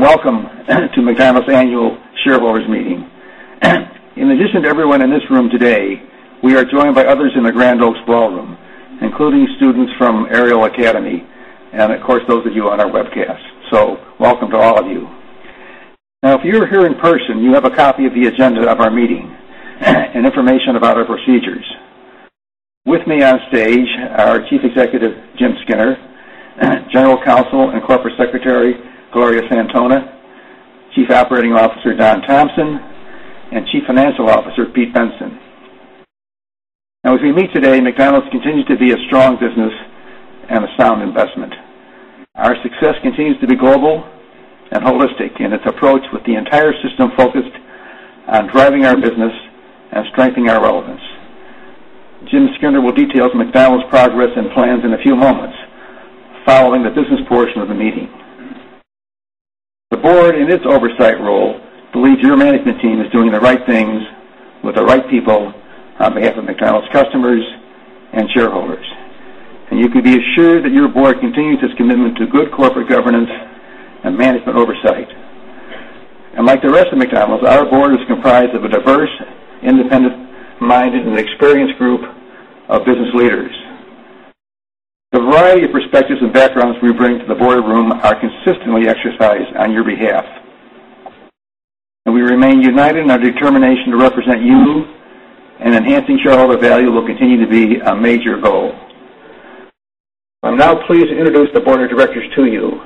Welcome to McDonald's annual shareholders meeting. In addition to everyone in this room today, we are joined by others in the Grand Oaks Ballroom, including students from Ariel Academy and, of course, those of you on our webcast. Welcome to all of you. If you're here in person, you have a copy of the agenda of our meeting and information about our procedures. With me on stage are Chief Executive Officer Jim Skinner, General Counsel and Corporate Secretary Gloria Santona, Chief Operating Officer Don Thompson, and Chief Financial Officer Peter Bensen. As we meet today, McDonald's continues to be a strong business and a sound investment. Our success continues to be global and holistic in its approach, with the entire system focused on driving our business and strengthening our relevance. Jim Skinner will detail McDonald's progress and plans in a few moments following the business portion of the meeting. The board, in its oversight role, believes your management team is doing the right things with the right people on behalf of McDonald's customers and shareholders. You can be assured that your board continues its commitment to good corporate governance and management oversight. Like the rest of McDonald's, our board is comprised of a diverse, independent-minded, and experienced group of business leaders. The variety of perspectives and backgrounds we bring to the boardroom are consistently exercised on your behalf. We remain united in our determination to represent you, and enhancing shareholder value will continue to be a major goal. I'm now pleased to introduce the board of directors to you.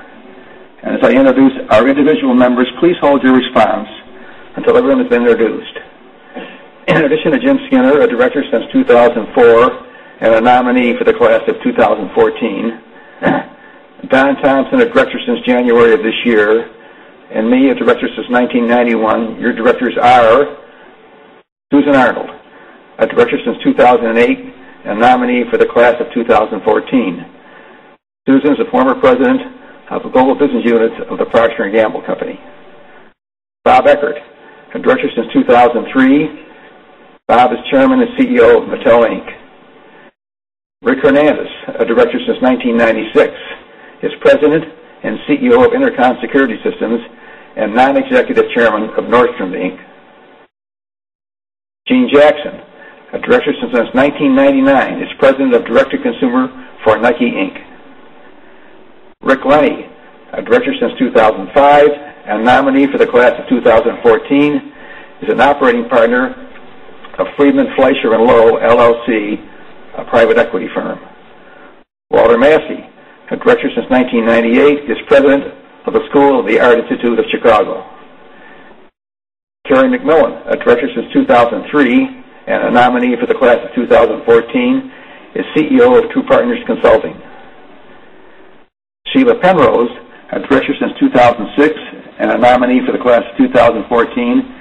As I introduce our individual members, please hold your response until everyone has been introduced. In addition to Jim Skinner, a director since 2004 and a nominee for the class of 2014, Don Thompson, a director since January of this year, and me, a director since 1991, your directors are Susan Arnold, a director since 2008 and a nominee for the class of 2014. Susan is a former president of the global business units of the Procter & Gamble Company. Bob Eckert, a director since 2003. Bob is Chairman and CEO of Mattel, Inc. Rick Hernandez, a director since 1996, is President and CEO of Intercon Security Systems and non-executive chairman of Nordstrom, Inc. Gene Jackson, a director since 1999, is president of Direct to Consumer for Nike, Inc. Rick Lenny, a director since 2005 and a nominee for the class of 2014, is an operating partner of Friedman, Fleischer & Lowe, LLC, a private equity firm. Walter Massey, a director since 1998, is President of the School of the Art Institute of Chicago. Karen McMillan, a director since 2003 and a nominee for the class of 2014, is CEO of Two Partners Consulting. Sheila Penrose, a director since 2006 and a nominee for the class of 2014, was the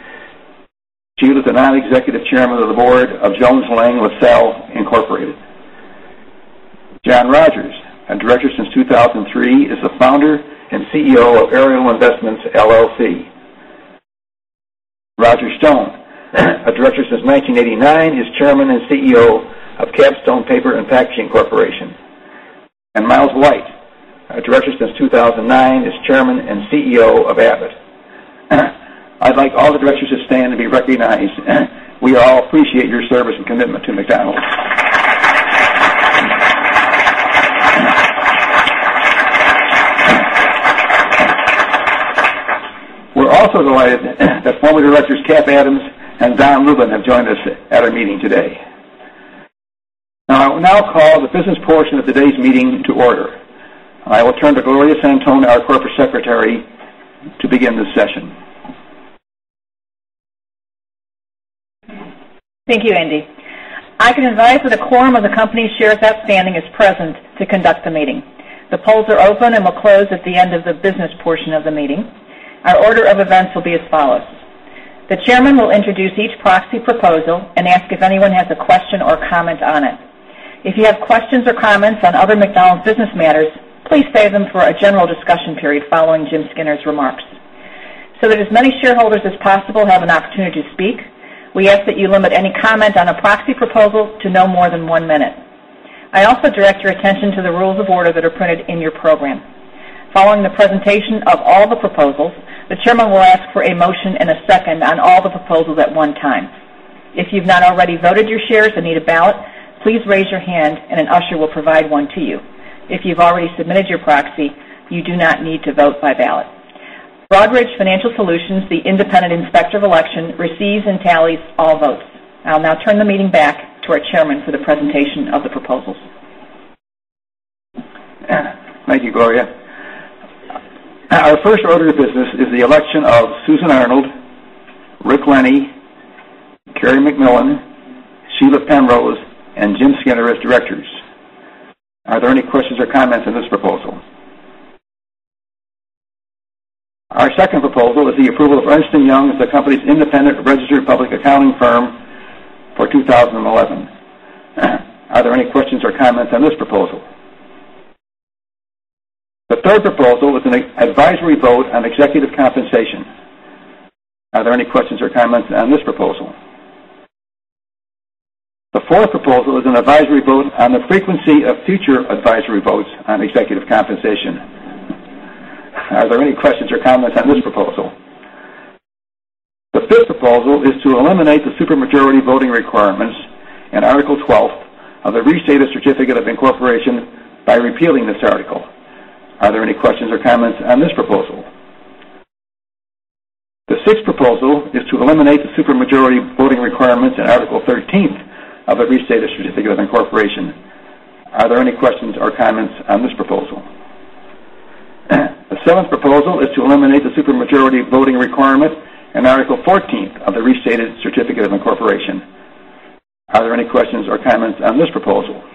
non-executive Chairman of the Board of Jones Lang LaSalle Incorporated. John Rogers, a director since 2003, is the founder and CEO of Ariel Investments, LLC. Roger Stone, a director since 1989, is Chairman and CEO of KapStone Paper and Packaging Corporation. Miles White, a director since 2009, is Chairman and CEO of Abbott. I'd like all the directors to stand and be recognized. We all appreciate your service and commitment to McDonald's. We're also delighted that former directors Kathy Martin and Don Lubin have joined us at our meeting today. I will now call the business portion of today's meeting to order. I will turn to Gloria Santona, our Corporate Secretary, to begin this session. Thank you, Andy. I can advise that a quorum of the company shares outstanding is present to conduct the meeting. The polls are open and will close at the end of the business portion of the meeting. Our order of events will be as follows. The Chairman will introduce each proxy proposal and ask if anyone has a question or comment on it. If you have questions or comments on other McDonald's business matters, please save them for a general discussion period following Jim Skinner's remarks. So that as many shareholders as possible have an opportunity to speak, we ask that you limit any comment on a proxy proposal to no more than one minute. I also direct your attention to the rules of order that are printed in your program. Following the presentation of all the proposals, the Chairman will ask for a motion and a second on all the proposals at one time. If you've not already voted your shares and need a ballot, please raise your hand and an usher will provide one to you. If you've already submitted your proxy, you do not need to vote by ballot. Broadridge Financial Solutions, the independent inspector of election, receives and tallies all votes. I'll now turn the meeting back to our Chairman for the presentation of the proposals. Thank you, Gloria. Our first order of business is the election of Susan Arnold, Rick Lenny, Karen McMillan, Sheila Penrose, and Jim Skinner as directors. Are there any questions or comments on this proposal? Our second proposal is the approval of Ernst & Young as the company's independent registered public accounting firm for 2011. Are there any questions or comments on this proposal? The third proposal is an advisory vote on executive compensation. Are there any questions or comments on this proposal? The fourth proposal is an advisory vote on the frequency of future advisory votes on executive compensation. Are there any questions or comments on this proposal? The fifth proposal is to eliminate the supermajority voting requirements in Article 12 of the Restated Certificate of Incorporation by repealing this article. Are there any questions or comments on this proposal? The sixth proposal is to eliminate the supermajority voting requirements in Article 13 of the Restated Certificate of Incorporation. Are there any questions or comments on this proposal? The seventh proposal is to eliminate the supermajority voting requirement in Article 14 of the Restated Certificate of Incorporation. Are there any questions or comments on this proposal?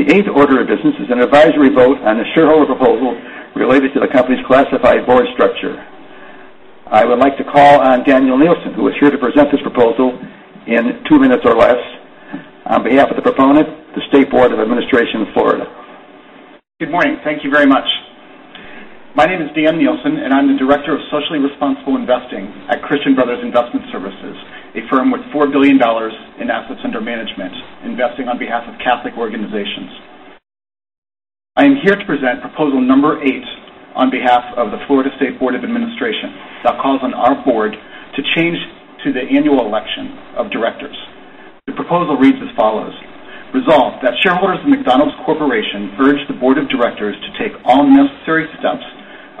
The eighth order of business is an advisory vote on the shareholder proposal related to the company's classified board structure. I would like to call on Daniel Nielsen, who is here to present this proposal in two minutes or less, on behalf of the proponent, the State Board of Administration of Florida. Good morning. Thank you very much. My name is Dan Nielsen, and I'm the Director of Socially Responsible Investing at Christian Brothers Investment Services, a firm with $4 billion in assets under management, investing on behalf of Catholic organizations. I am here to present proposal number eight on behalf of the Florida State Board of Administration, that calls on our board to change to the annual election of directors. The proposal reads as follows: Resolve that shareholders of McDonald's Corporation urge the board of directors to take all necessary steps,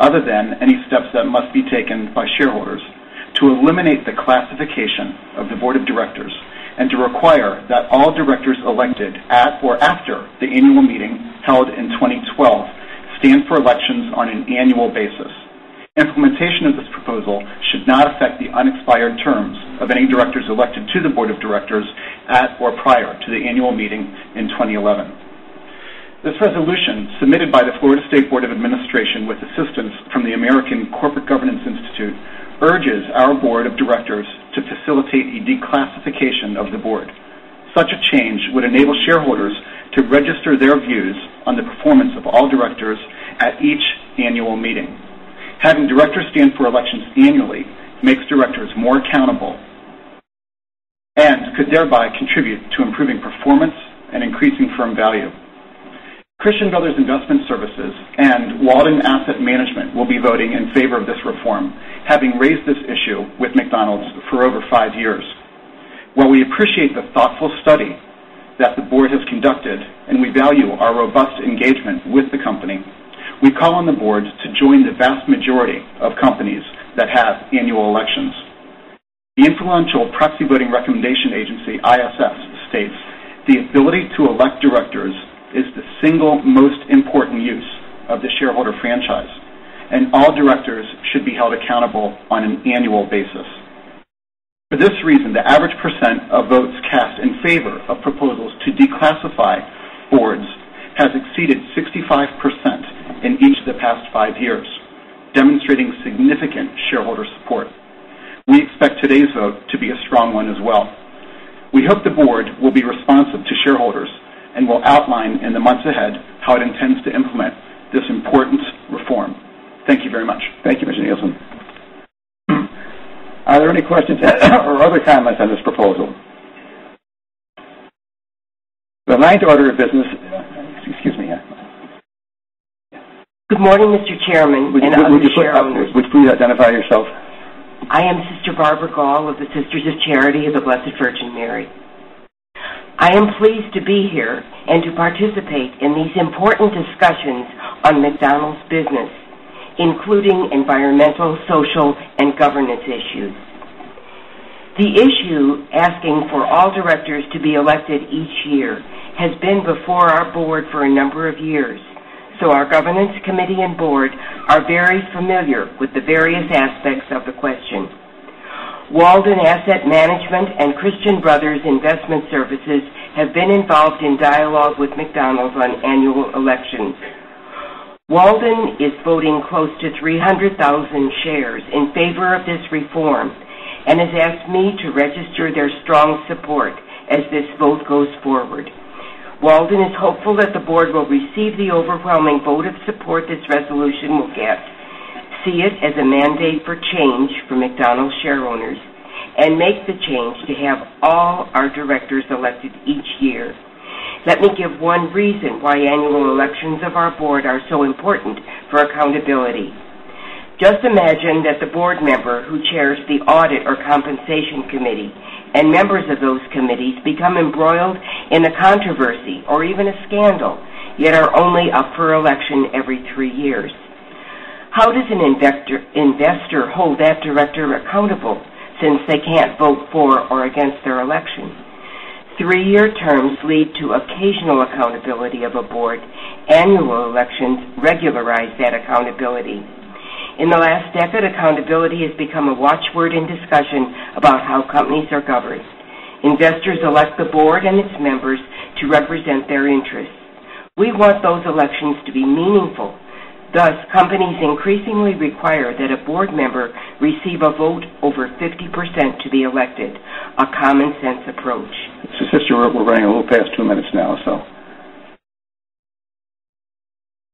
other than any steps that must be taken by shareholders, to eliminate the classification of the board of directors and to require that all directors elected at or after the annual meeting held in 2012 stand for elections on an annual basis. Implementation of this proposal should not affect the unexpired terms of any directors elected to the board of directors at or prior to the annual meeting in 2011. This resolution, submitted by the Florida State Board of Administration with assistance from the American Corporate Governance Institute, urges our board of directors to facilitate a declassification of the board. Such a change would enable shareholders to register their views on the performance of all directors at each annual meeting. Having directors stand for elections annually makes directors more accountable and could thereby contribute to improving performance and increasing firm value. Christian Brothers Investment Services and Walden Asset Management will be voting in favor of this reform, having raised this issue with McDonald's for over five years. While we appreciate the thoughtful study that the board has conducted and we value our robust engagement with the company, we call on the board to join the vast majority of companies that have annual elections. The influential proxy voting recommendation agency, ISS, states, "The ability to elect directors is the single most important use of the shareholder franchise, and all directors should be held accountable on an annual basis." For this reason, the average percent of votes cast in favor of proposals to declassify boards has exceeded 65% in each of the past five years, demonstrating significant shareholder support. We expect today's vote to be a strong one as well. We hope the board will be responsive to shareholders and will outline in the months ahead how it intends to implement this important reform. Thank you very much. Thank you, Mr. Nielsen. Are there any questions or other comments on this proposal? The ninth order of business, excuse me. Good morning, Mr. Chairman. Would you please identify yourself? I am Sister Barbara Gaul of the Sisters of Charity of the Blessed Virgin Mary. I am pleased to be here and to participate in these important discussions on McDonald's business, including environmental, social, and governance issues. The issue asking for all directors to be elected each year has been before our board for a number of years, so our Governance Committee and board are very familiar with the various aspects of the question. Walden Asset Management and Christian Brothers Investment Services have been involved in dialogue with McDonald's on annual elections. Walden is voting close to 300,000 shares in favor of this reform and has asked me to register their strong support as this vote goes forward. Walden is hopeful that the board will receive the overwhelming vote of support this resolution will get, see it as a mandate for change for McDonald's shareholders, and make the change to have all our directors elected each year. Let me give one reason why annual elections of our board are so important for accountability. Just imagine that the board member who chairs the Audit or Compensation Committee and members of those committees become embroiled in a controversy or even a scandal, yet are only up for election every three years. How does an investor hold that director accountable since they can't vote for or against their election? Three-year terms lead to occasional accountability of a board, annual elections regularize that accountability. In the last decade, accountability has become a watchword in discussion about how companies are governed. Investors elect the board and its members to represent their interests. We want those elections to be meaningful. Thus, companies increasingly require that a board member receive a vote over 50% to be elected, a common sense approach. Sister, we're running a little past two minutes now.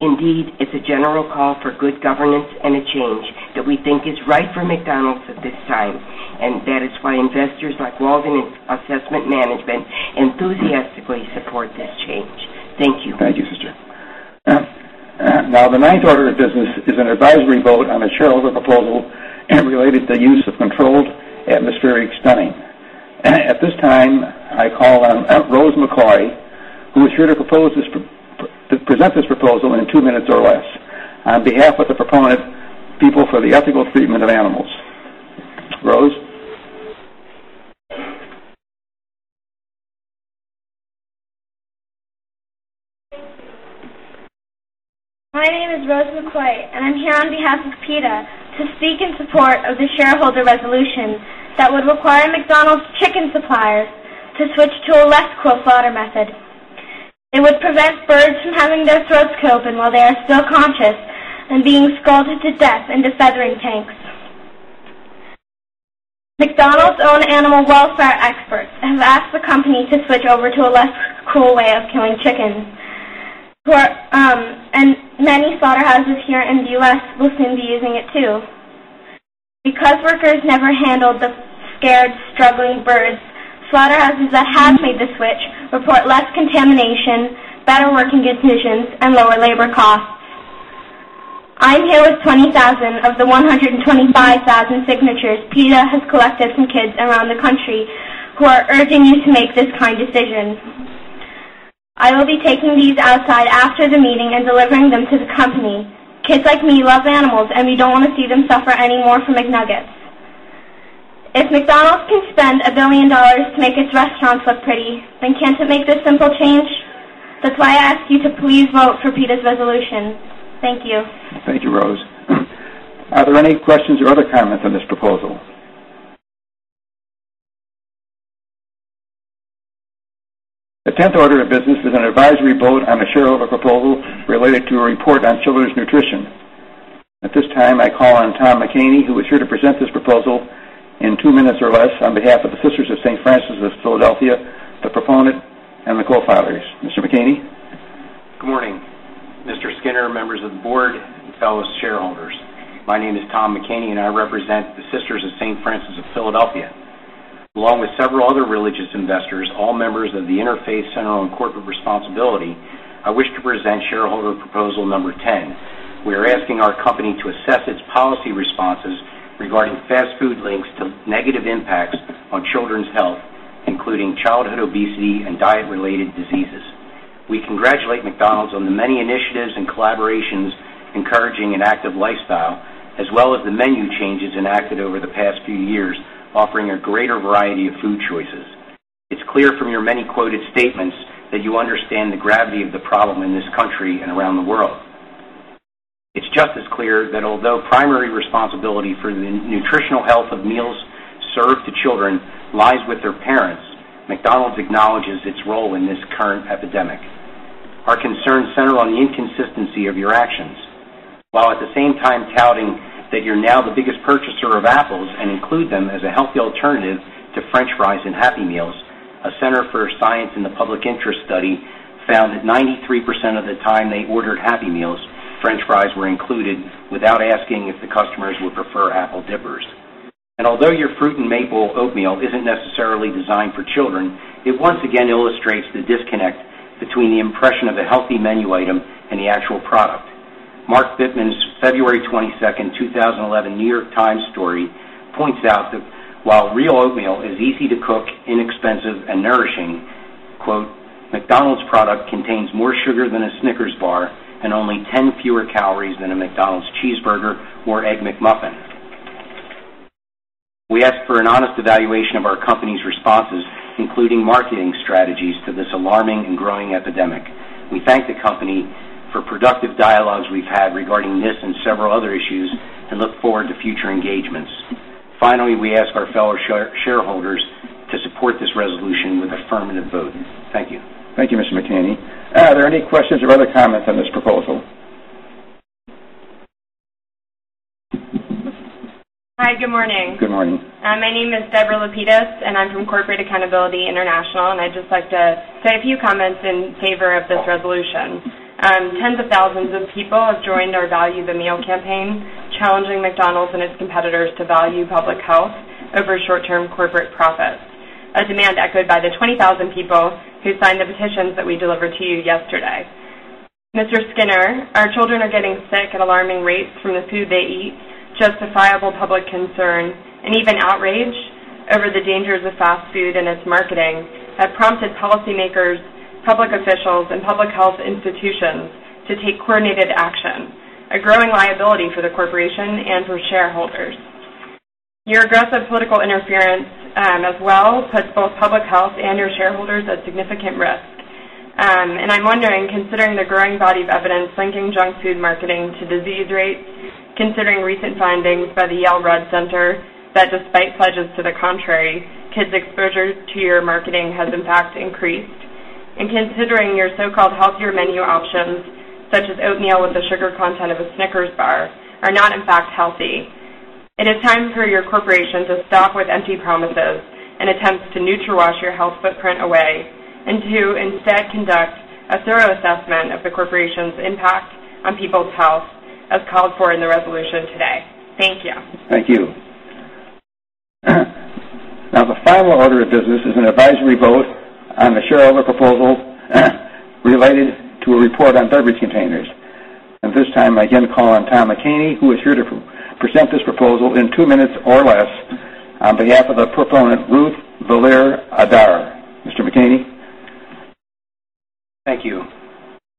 Indeed, it's a general call for good governance and a change that we think is right for McDonald's at this time, and that is why investors like Walden Asset Management enthusiastically support this change. Thank you. Thank you, Sister. Now, the ninth order of business is an advisory vote on a shareholder proposal related to the use of controlled atmospheric stunning. At this time, I call on Rose McCoy, who is here to present this proposal in two minutes or less on behalf of the proponent, People for the Ethical Treatment of Animals. Rose. My name is Rose McCoy, and I'm here on behalf of PETA to seek in support of the shareholder resolution that would require McDonald's chicken suppliers to switch to a less corporate slaughter method. It would prevent birds from having their throats cut open while they are still conscious and being scalded to death in defeathering tanks. McDonald's own animal welfare experts have asked the company to switch over to a less cruel way of killing chickens, and many slaughterhouses here in the U.S. will soon be using it too. Because workers never handle the scared, struggling birds, slaughterhouses that have made the switch report less contamination, better working conditions, and lower labor costs. I'm here with 20,000 of the 125,000 signatures PETA has collected from kids around the country who are urging you to make this kind decision. I will be taking these outside after the meeting and delivering them to the company. Kids like me love animals, and we don't want to see them suffer anymore from McNuggets. If McDonald's can spend $1 billion to make its restaurants look pretty, then can't it make this simple change? That's why I ask you to please vote for PETA's resolution. Thank you. Thank you, Rose. Are there any questions or other comments on this proposal? The 10th order of business is an advisory vote on a shareholder proposal related to a report on children's nutrition. At this time, I call on Tom McKamey, who is here to present this proposal in two minutes or less on behalf of the Sisters of Saint Francis of Philadelphia, the proponent, and the co-founders. Mr. McKamey? Good morning, Mr. Skinner, members of the board, fellow shareholders. My name is Tom McKamey, and I represent the Sisters of Saint Francis of Philadelphia. Along with several other religious investors, all members of the Interfaith Center on Corporate Responsibility, I wish to present shareholder proposal number 10. We are asking our company to assess its policy responses regarding fast food links to negative impacts on children's health, including childhood obesity and diet-related diseases. We congratulate McDonald's on the many initiatives and collaborations encouraging an active lifestyle, as well as the menu changes enacted over the past few years, offering a greater variety of food choices. It's clear from your many quoted statements that you understand the gravity of the problem in this country and around the world. It's just as clear that although primary responsibility for the nutritional health of meals served to children lies with their parents, McDonald's acknowledges its role in this current epidemic. Our concerns center on the inconsistency of your actions. While at the same time touting that you're now the biggest purchaser of apples and include them as a healthy alternative to French fries in Happy Meals, a Center for Science in the Public Interest study found that 93% of the time they ordered Happy Meals, French fries were included without asking if the customers would prefer apple dippers. Although your fruit and maple oatmeal isn't necessarily designed for children, it once again illustrates the disconnect between the impression of a healthy menu item and the actual product. Mark Fitman's February 22, 2011 New York Times story points out that while real oatmeal is easy to cook, inexpensive, and nourishing, quote, "McDonald's product contains more sugar than a Snickers bar and only 10 fewer calories than a McDonald's cheeseburger or egg McMuffin." We ask for an honest evaluation of our company's responses, including marketing strategies to this alarming and growing epidemic. We thank the company for productive dialogues we've had regarding this and several other issues and look forward to future engagements. Finally, we ask our fellow shareholders to support this resolution with affirmative votes. Thank you. Thank you, Mr. McKamey. Are there any questions or other comments on this proposal? Hi, good morning. Good morning. My name is Deborah Lapidus, and I'm from Corporate Accountability International, and I'd just like to say a few comments in favor of this resolution. Tens of thousands of people have joined our Value the Meal campaign, challenging McDonald's and its competitors to value public health over short-term corporate profits, a demand echoed by the 20,000 people who signed the petitions that we delivered to you yesterday. Mr. Skinner, our children are getting sick at alarming rates from the food they eat. Justifiable public concern and even outrage over the dangers of fast food and its marketing have prompted policymakers, public officials, and public health institutions to take coordinated action, a growing liability for the corporation and for shareholders. Your aggressive political interference as well puts both public health and your shareholders at significant risk. I'm wondering, considering the growing body of evidence linking junk food marketing to disease rates, considering recent findings by the Yale Red Center that despite pledges to the contrary, kids' exposure to your marketing has in fact increased, and considering your so-called healthier menu options, such as oatmeal with the sugar content of a Snickers bar, are not in fact healthy. It is time for your corporation to stop with empty promises and attempts to neutralize your health footprint away and to instead conduct a thorough assessment of the corporation's impact on people's health, as called for in the resolution today. Thank you. Thank you. Now, the final order of business is an advisory vote on the shareholder proposals related to a report on beverage container materials. At this time, I again call on Tom McKamey, who is here to present this proposal in two minutes or less on behalf of the proponent, Ruth Valera Ader. Mr. McKamey? Thank you.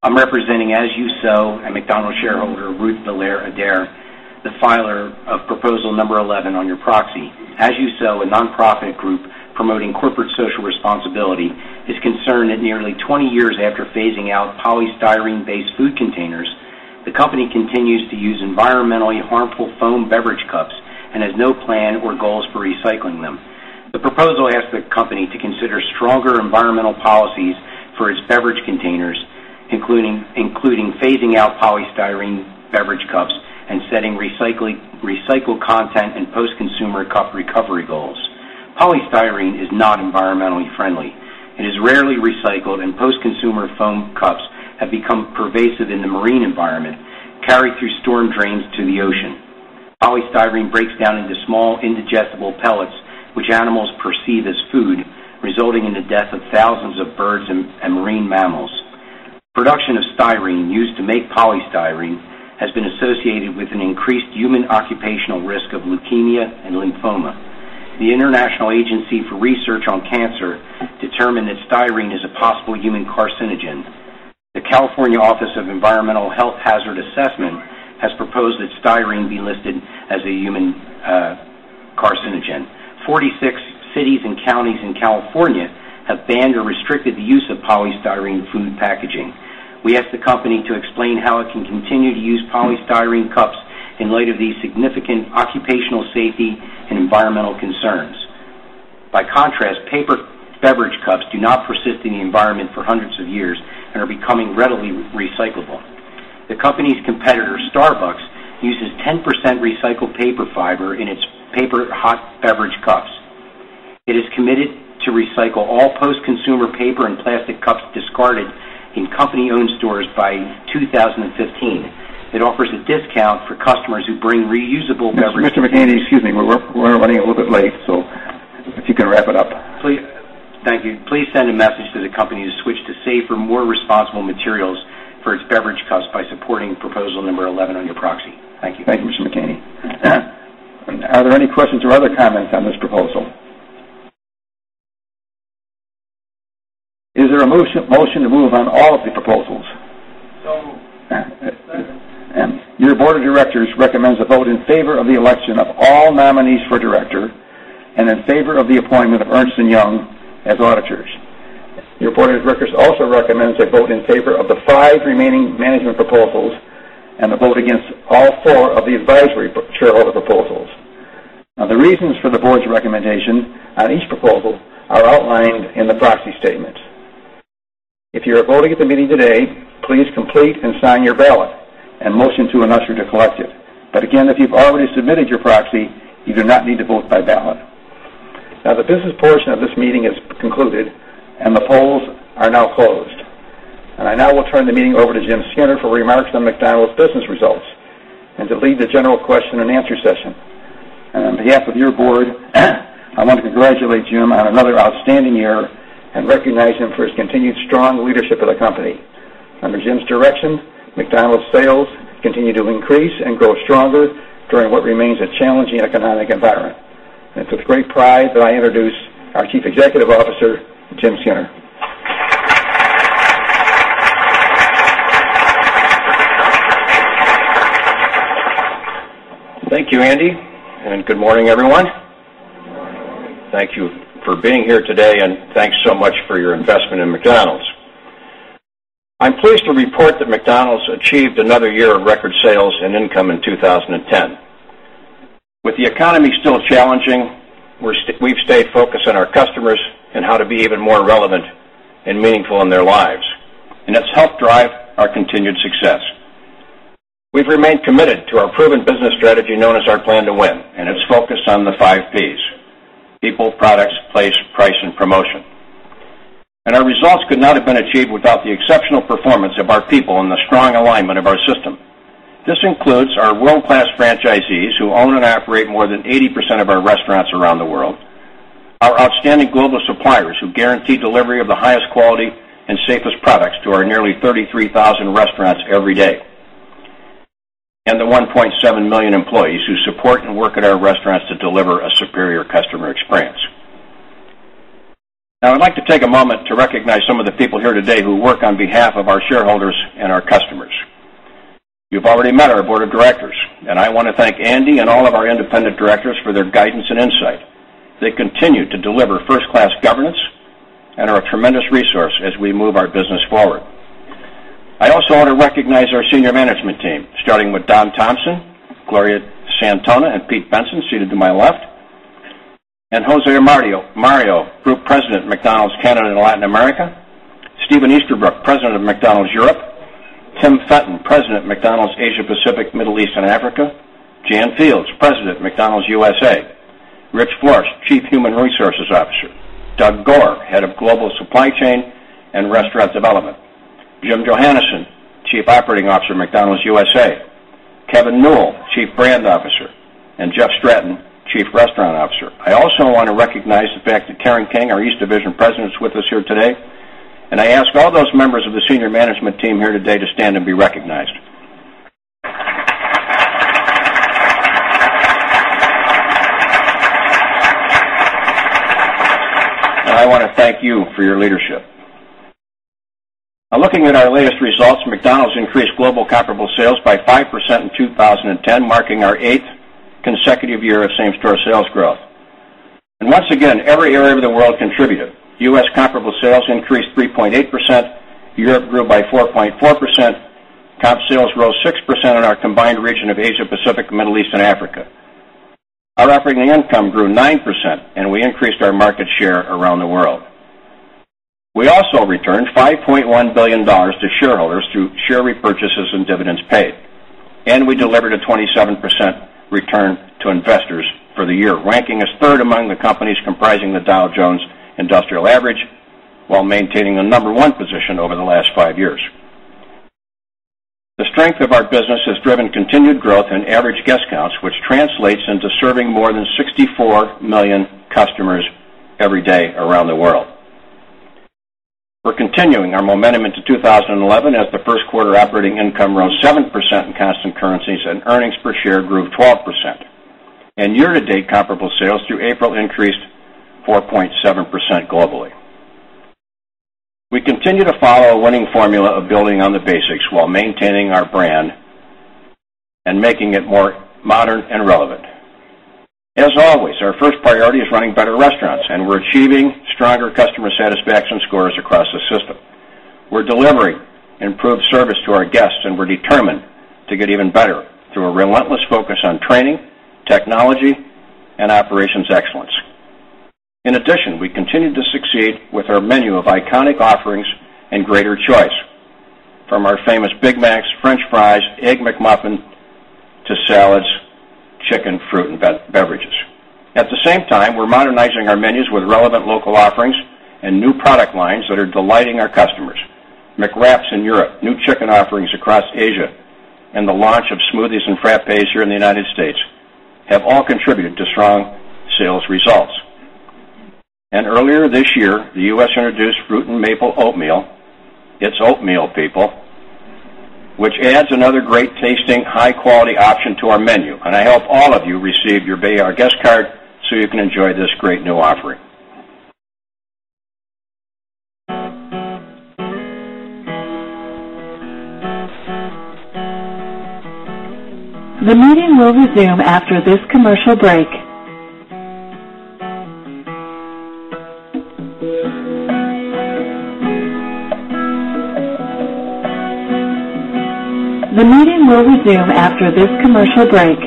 I'm representing As You Sow, a McDonald's shareholder, Ruth Valera Ader, the filer of proposal number 11 on your proxy. As You Sow, a nonprofit group promoting corporate social responsibility, is concerned that nearly 20 years after phasing out polystyrene-based food containers, the company continues to use environmentally harmful foam beverage cups and has no plan or goals for recycling them. The proposal asks the company to consider stronger environmental policies for its beverage containers, including phasing out polystyrene beverage cups and setting recycled content and post-consumer cup recovery goals. Polystyrene is not environmentally friendly. It is rarely recycled, and post-consumer foam cups have become pervasive in the marine environment, carried through storm drains to the ocean. Polystyrene breaks down into small indigestible pellets, which animals perceive as food, resulting in the deaths of thousands of birds and marine mammals. Production of styrene used to make polystyrene has been associated with an increased human occupational risk of leukemia and lymphoma. The International Agency for Research on Cancer determined that styrene is a possible human carcinogen. The California Office of Environmental Health Hazard Assessment has proposed that styrene be listed as a human carcinogen. 46 cities and counties in California have banned or restricted the use of polystyrene food packaging. We ask the company to explain how it can continue to use polystyrene cups in light of these significant occupational safety and environmental concerns. By contrast, paper beverage cups do not persist in the environment for hundreds of years and are becoming readily recyclable. The company's competitor, Starbucks, uses 10% recycled paper fiber in its paper hot beverage cups. It is committed to recycle all post-consumer paper and plastic cups discarded in company-owned stores by 2015. It offers a discount for customers who bring reusable beverages. Mr. McKamey, excuse me. We're running a little bit late, so if you can wrap it up. Please, thank you. Please send a message to the company to switch to safer, more responsible materials for its beverage container materials by supporting proposal number 11 on your proxy. Thank you. Thank you, Mr. McKamey. Are there any questions or other comments on this proposal? Is there a motion to move on all of the proposals? Your board of directors recommends a vote in favor of the election of all nominees for director and in favor of the appointment of Ernst & Young as auditors. Your board of directors also recommends a vote in favor of the five remaining management proposals and a vote against all four of the advisory shareholder proposals. The reasons for the board's recommendation on each proposal are outlined in the proxy statement. If you're voting at the meeting today, please complete and sign your ballot and motion to an usher to collect it. If you've already submitted your proxy, you do not need to vote by ballot. The business portion of this meeting is concluded, and the polls are now closed. I now will turn the meeting over to Jim Skinner for remarks on McDonald's business results and to lead the general question and answer session. On behalf of your board, I'd like to congratulate Jim on another outstanding year and recognize him for his continued strong leadership of the company. Under Jim's direction, McDonald's sales continue to increase and grow stronger during what remains a challenging economic environment. It's with great pride that I introduce our Chief Executive Officer, Jim Skinner. Thank you, Andy, and good morning, everyone. Thank you for being here today, and thanks so much for your investment in McDonald's. I'm pleased to report that McDonald's achieved another year of record sales and income in 2010. With the economy still challenging, we've stayed focused on our customers and how to be even more relevant and meaningful in their lives, and that's helped drive our continued success. We've remained committed to a proven business strategy known as our Plan to Win, and it's focused on the five P's: people, products, place, price, and promotion. Our results could not have been achieved without the exceptional performance of our people and the strong alignment of our system. This includes our world-class franchisees who own and operate more than 80% of our restaurants around the world, our outstanding global suppliers who guarantee delivery of the highest quality and safest products to our nearly 33,000 restaurants every day, and the 1.7 million employees who support and work in our restaurants to deliver a superior customer experience. Now, I'd like to take a moment to recognize some of the people here today who work on behalf of our shareholders and our customers. You've already met our board of directors, and I want to thank Andy and all of our independent directors for their guidance and insight. They continue to deliver first-class governance and are a tremendous resource as we move our business forward. I also want to recognize our senior management team, starting with Don Thompson, Gloria Santona, and Pete Bensen seated to my left, and Jose Mario, Group President of McDonald's Canada and Latin America, Steven Easterbrook, President of McDonald's Europe, Ti Fenton, President of McDonald's Asia Pacific, Middle East, and Africa, Janice Fields, President of McDonald's USA, Rick Flores, Chief Human Resources Officer, Douglas Goare, Head of Global Supply Chain and Restaurant Development, James Johannesen, Chief Operating Officer of McDonald's USA, Kevin Newell, Chief Brand Officer, and Jeffrey Stratton, Chief Restaurant Officer. I also want to recognize the fact that Karen King, our East Division President, is with us here today, and I ask all those members of the senior management team here today to stand and be recognized. I want to thank you for your leadership. Now, looking at our latest results, McDonald's increased global comparable sales by 5% in 2010, marking our eighth consecutive year of same-store sales growth. Once again, every area of the world contributed. U.S. comparable sales increased 3.8%, Europe grew by 4.4%, and comp sales rose 6% in our combined region of Asia Pacific, Middle East, and Africa. Our African income grew 9%, and we increased our market share around the world. We also returned $5.1 billion to shareholders through share repurchases and dividends paid, and we delivered a 27% return to investors for the year, ranking us third among the companies comprising the Dow Jones Industrial Average while maintaining a number one position over the last five years. The strength of our business has driven continued growth in average guest counts, which translates into serving more than 64 million customers every day around the world. We're continuing our momentum into 2011 with first quarter operating income around 7% in constant currencies, and earnings per share grew 12%. Year-to-date comparable sales through April increased 4.7% globally. We continue to follow a winning formula of building on the basics while maintaining our brand and making it more modern and relevant. As always, our first priority is running better restaurants, and we're achieving stronger customer satisfaction scores across the system. We're delivering improved service to our guests, and we're determined to get even better through a relentless focus on training, technology, and operations excellence. In addition, we continue to succeed with our menu of iconic offerings and greater choice, from our famous Big Macs, French fries, Egg McMuffin, to salads, chicken, fruit, and beverages. At the same time, we're modernizing our menus with relevant local offerings and new product lines that are delighting our customers. McWraps in Europe, new chicken offerings across Asia, and the launch of smoothies and frappes here in the United States have all contributed to strong sales results. Earlier this year, the U.S. introduced fruit and maple oatmeal, it's oatmeal, people, which adds another great tasting, high-quality option to our menu. I hope all of you receive your Be Our Guest Card so you can enjoy this great new offering. The meeting will resume after this commercial break. The meeting will resume after this commercial break.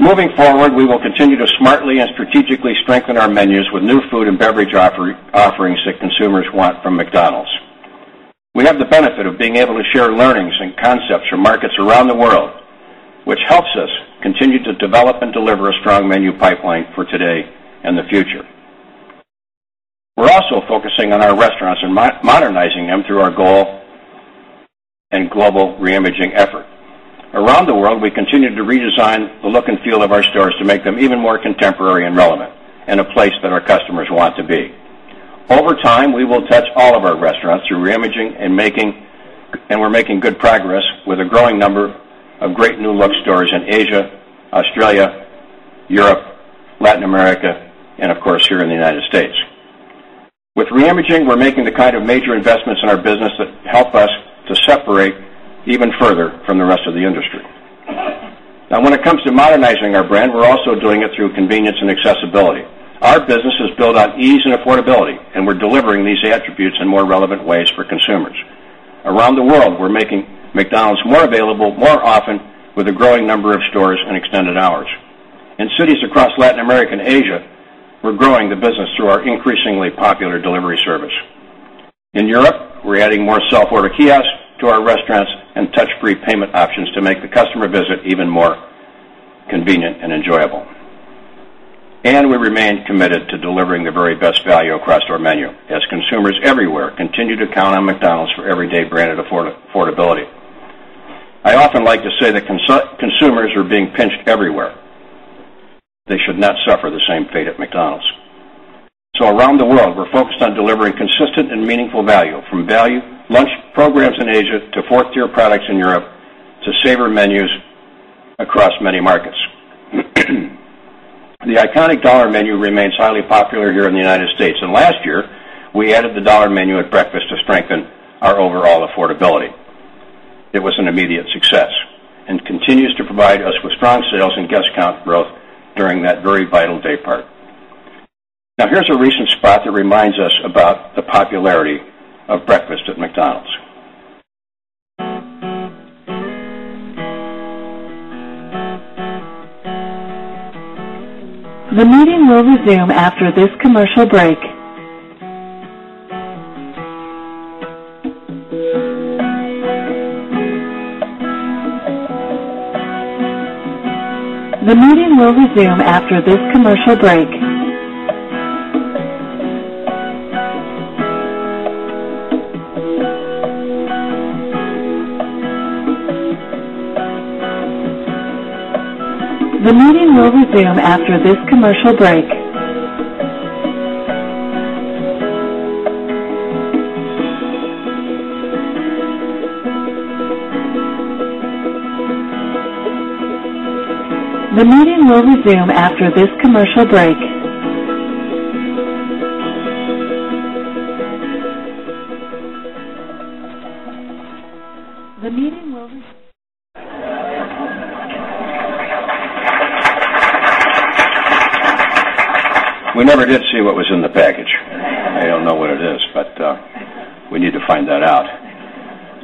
Moving forward, we will continue to smartly and strategically strengthen our menus with new food and beverage offerings that consumers want from McDonald's. We have the benefit of being able to share learnings and concepts from markets around the world, which helps us continue to develop and deliver a strong menu pipeline for today and the future. We're also focusing on our restaurants and modernizing them through our goal and global reimaging effort. Around the world, we continue to redesign the look and feel of our stores to make them even more contemporary and relevant and a place that our customers want to be. Over time, we will touch all of our restaurants through reimaging, and we're making good progress with a growing number of great new look stores in Asia, Australia, Europe, Latin America, and of course, here in the United States. With reimaging, we're making the kind of major investments in our business that help us to separate even further from the rest of the industry. Now, when it comes to modernizing our brand, we're also doing it through convenience and accessibility. Our business is built on ease and affordability, and we're delivering these attributes in more relevant ways for consumers. Around the world, we're making McDonald's more available more often with a growing number of stores and extended hours. In cities across Latin America and Asia, we're growing the business through our increasingly popular delivery service. In Europe, we're adding more self-order kiosks to our restaurants and touch-free payment options to make the customer visit even more convenient and enjoyable. We remain committed to delivering the very best value across our menu as consumers everywhere continue to count on McDonald's for everyday branded affordability. I often like to say that consumers are being pinched everywhere. They should not suffer the same fate at McDonald's. Around the world, we're focused on delivering consistent and meaningful value from value lunch programs in Asia to fourth-tier products in Europe to savor menus across many markets. The iconic Dollar Menu remains highly popular here in the United States, and last year, we added the Dollar Menu at breakfast to strengthen our overall affordability. It was an immediate success and continues to provide us with strong sales and guest count growth during that very vital daypart. Now, here's a recent spot that reminds us about the popularity of breakfast at McDonald's. The meeting will resume after this commercial break. The meeting will resume after this commercial break. The meeting will resume after this commercial break. The meeting will resume after this commercial break. The meeting will. We never did see what was in the package. I don't know what it is, but we need to find that out.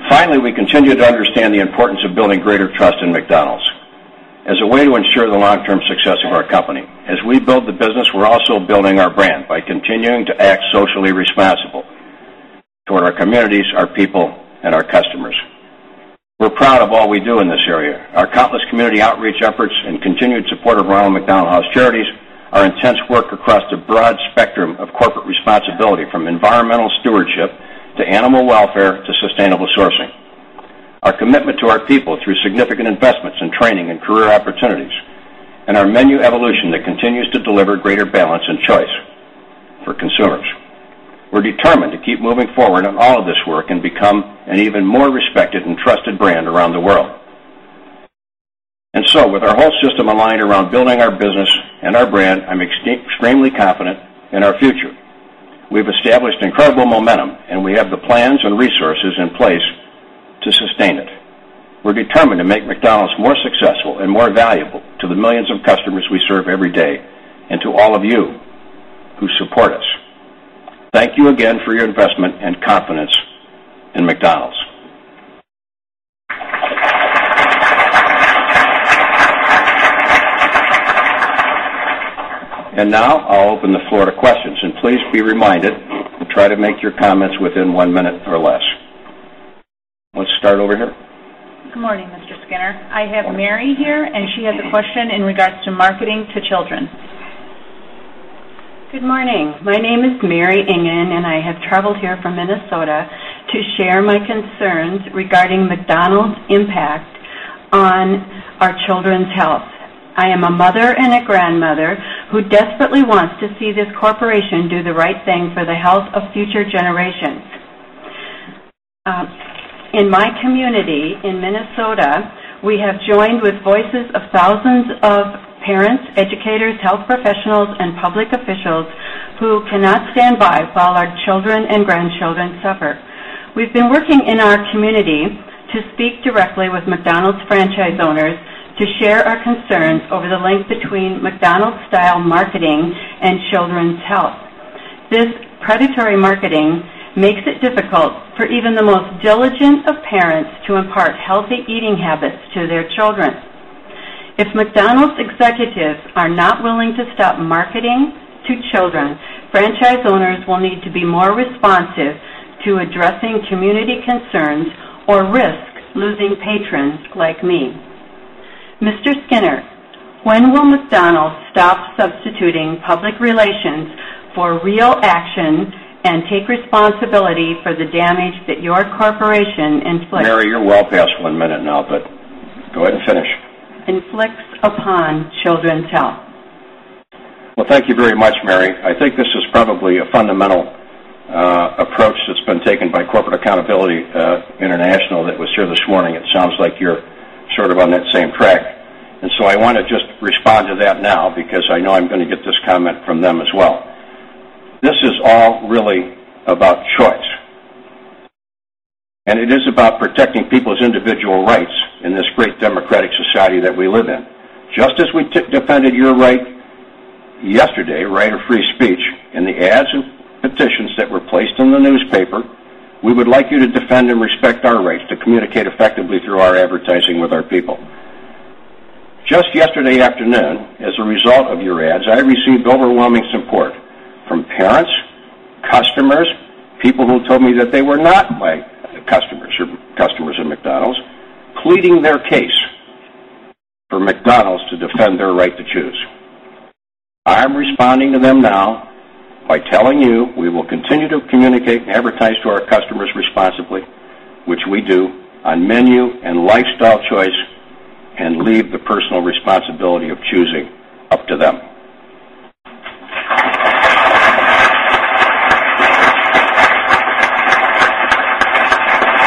Finally, we continue to understand the importance of building greater trust in McDonald's as a way to ensure the long-term success of our company. As we build the business, we're also building our brand by continuing to act socially responsible toward our communities, our people, and our customers. We're proud of all we do in this area. Our countless community outreach efforts and continued support of Ronald McDonald House Charities are intense work across the broad spectrum of corporate responsibility, from environmental stewardship to animal welfare to sustainable sourcing. Our commitment to our people through significant investments and training and career opportunities and our menu evolution that continues to deliver greater balance and choice for consumers. We're determined to keep moving forward on all of this work and become an even more respected and trusted brand around the world. With our whole system aligned around building our business and our brand, I'm extremely confident in our future. We've established incredible momentum, and we have the plans and resources in place to sustain it. We're determined to make McDonald's more successful and more valuable to the millions of customers we serve every day and to all of you who support us. Thank you again for your investment and confidence in McDonald's. Now I'll open the floor to questions, and please be reminded to try to make your comments within one minute or less. Let's start over here. Good morning, Mr. Skinner. I have Mary here, and she has a question in regards to marketing to children. Good morning. My name is Mary Ingen, and I have traveled here from Minnesota to share my concerns regarding McDonald's impact on our children's health. I am a mother and a grandmother who desperately wants to see this corporation do the right thing for the health of future generations. In my community in Minnesota, we have joined with voices of thousands of parents, educators, health professionals, and public officials who cannot stand by while our children and grandchildren suffer. We've been working in our community to speak directly with McDonald's franchise owners to share our concerns over the link between McDonald's style marketing and children's health. This predatory marketing makes it difficult for even the most diligent of parents to impart healthy eating habits to their children. If McDonald's executives are not willing to stop marketing to children, franchise owners will need to be more responsive to addressing community concerns or risk losing patrons like me. Mr. Skinner, when will McDonald's stop substituting public relations for real action and take responsibility for the damage that your corporation inflicts? Mary, you're well past one minute now, but go ahead and finish. Inflicts upon children's health. Thank you very much, Mary. I think this is probably a fundamental approach that's been taken by Corporate Accountability International that was here this morning. It sounds like you're sort of on that same track. I want to just respond to that now because I know I'm going to get this comment from them as well. This is all really about choice, and it is about protecting people's individual rights in this great democratic society that we live in. Just as we defended your right yesterday, right of free speech, in the ads and petitions that were placed in the newspaper, we would like you to defend and respect our rights to communicate effectively through our advertising with our people. Just yesterday afternoon, as a result of your ads, I received overwhelming support from parents, customers, people who told me that they were not white customers of McDonald's pleading their case for McDonald's to defend their right to choose. I am responding to them now by telling you we will continue to communicate and advertise to our customers responsibly, which we do on menu and lifestyle choice, and leave the personal responsibility of choosing up to them.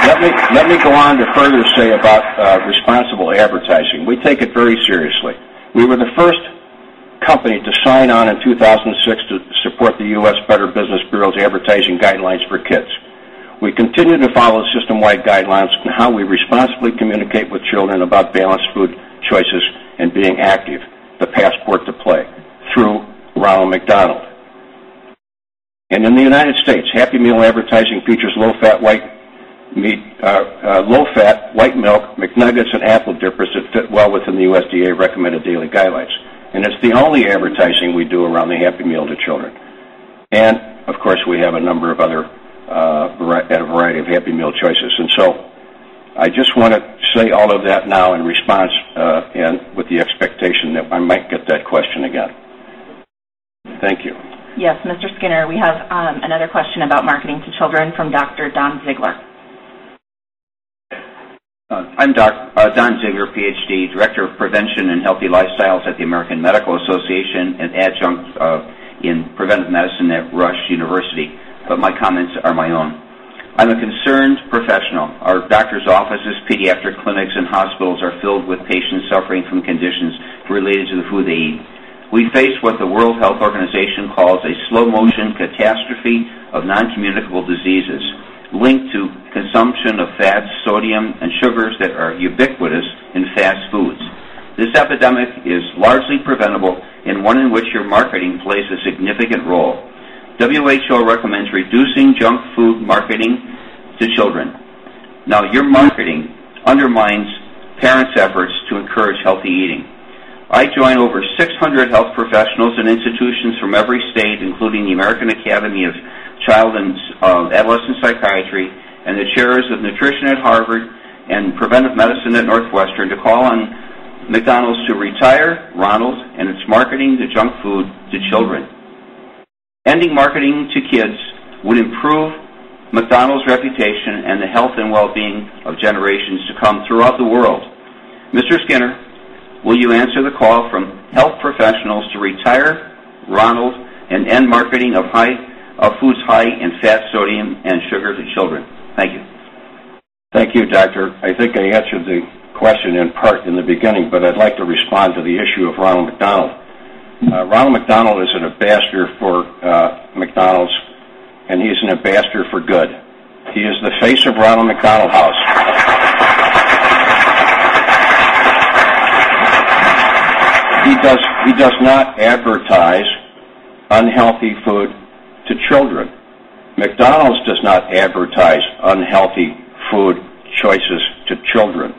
Let me go on to further say about responsible advertising. We take it very seriously. We were the first company to sign on in 2006 to support the U.S. Better Business Bureau's advertising guidelines for kids. We continue to follow system-wide guidelines on how we responsibly communicate with children about balanced food choices and being active, the passport to play, through Ronald McDonald. In the United States, Happy Meal advertising features low-fat white milk, McNuggets, and apple dippers that fit well within the USDA recommended daily guidelines. It's the only advertising we do around the Happy Meal to children. Of course, we have a number of other varieties of Happy Meal choices. I just want to say all of that now in response and with the expectation that I might get that question again. Thank you. Yes, Mr. Skinner, we have another question about marketing to children from Dr. Don Ziegler. I'm Dr. Don Ziegler, PhD, Director of Prevention and Healthy Lifestyles at the American Medical Association and Adjunct in Preventive Medicine at Rush University. My comments are my own. I'm a concerned professional. Our doctor's offices, pediatric clinics, and hospitals are filled with patients suffering from conditions related to food. We face what the World Health Organization calls a slow-motion catastrophe of non-communicable diseases linked to consumption of fats, sodium, and sugars that are ubiquitous in fast foods. This epidemic is largely preventable, and one in which your marketing plays a significant role. WHO recommends reducing junk food marketing to children. Your marketing undermines parents' efforts to encourage healthy eating. I joined over 600 health professionals and institutions from every state, including the American Academy of Child and Adolescent Psychiatry and the chairs of Nutrition at Harvard and Preventive Medicine at Northwestern, to call on McDonald's to retire Ronald and its marketing to junk food to children. Ending marketing to kids would improve McDonald's reputation and the health and well-being of generations to come throughout the world. Mr. Skinner, will you answer the call from health professionals to retire Ronald and end marketing of foods high in fat, sodium, and sugar to children? Thank you. Thank you, Doctor. I think I answered the question in part in the beginning, but I'd like to respond to the issue of Ronald McDonald. Ronald McDonald is an ambassador for McDonald's, and he's an ambassador for good. He is the face of Ronald McDonald House. He does not advertise unhealthy food to children. McDonald's does not advertise unhealthy food choices to children.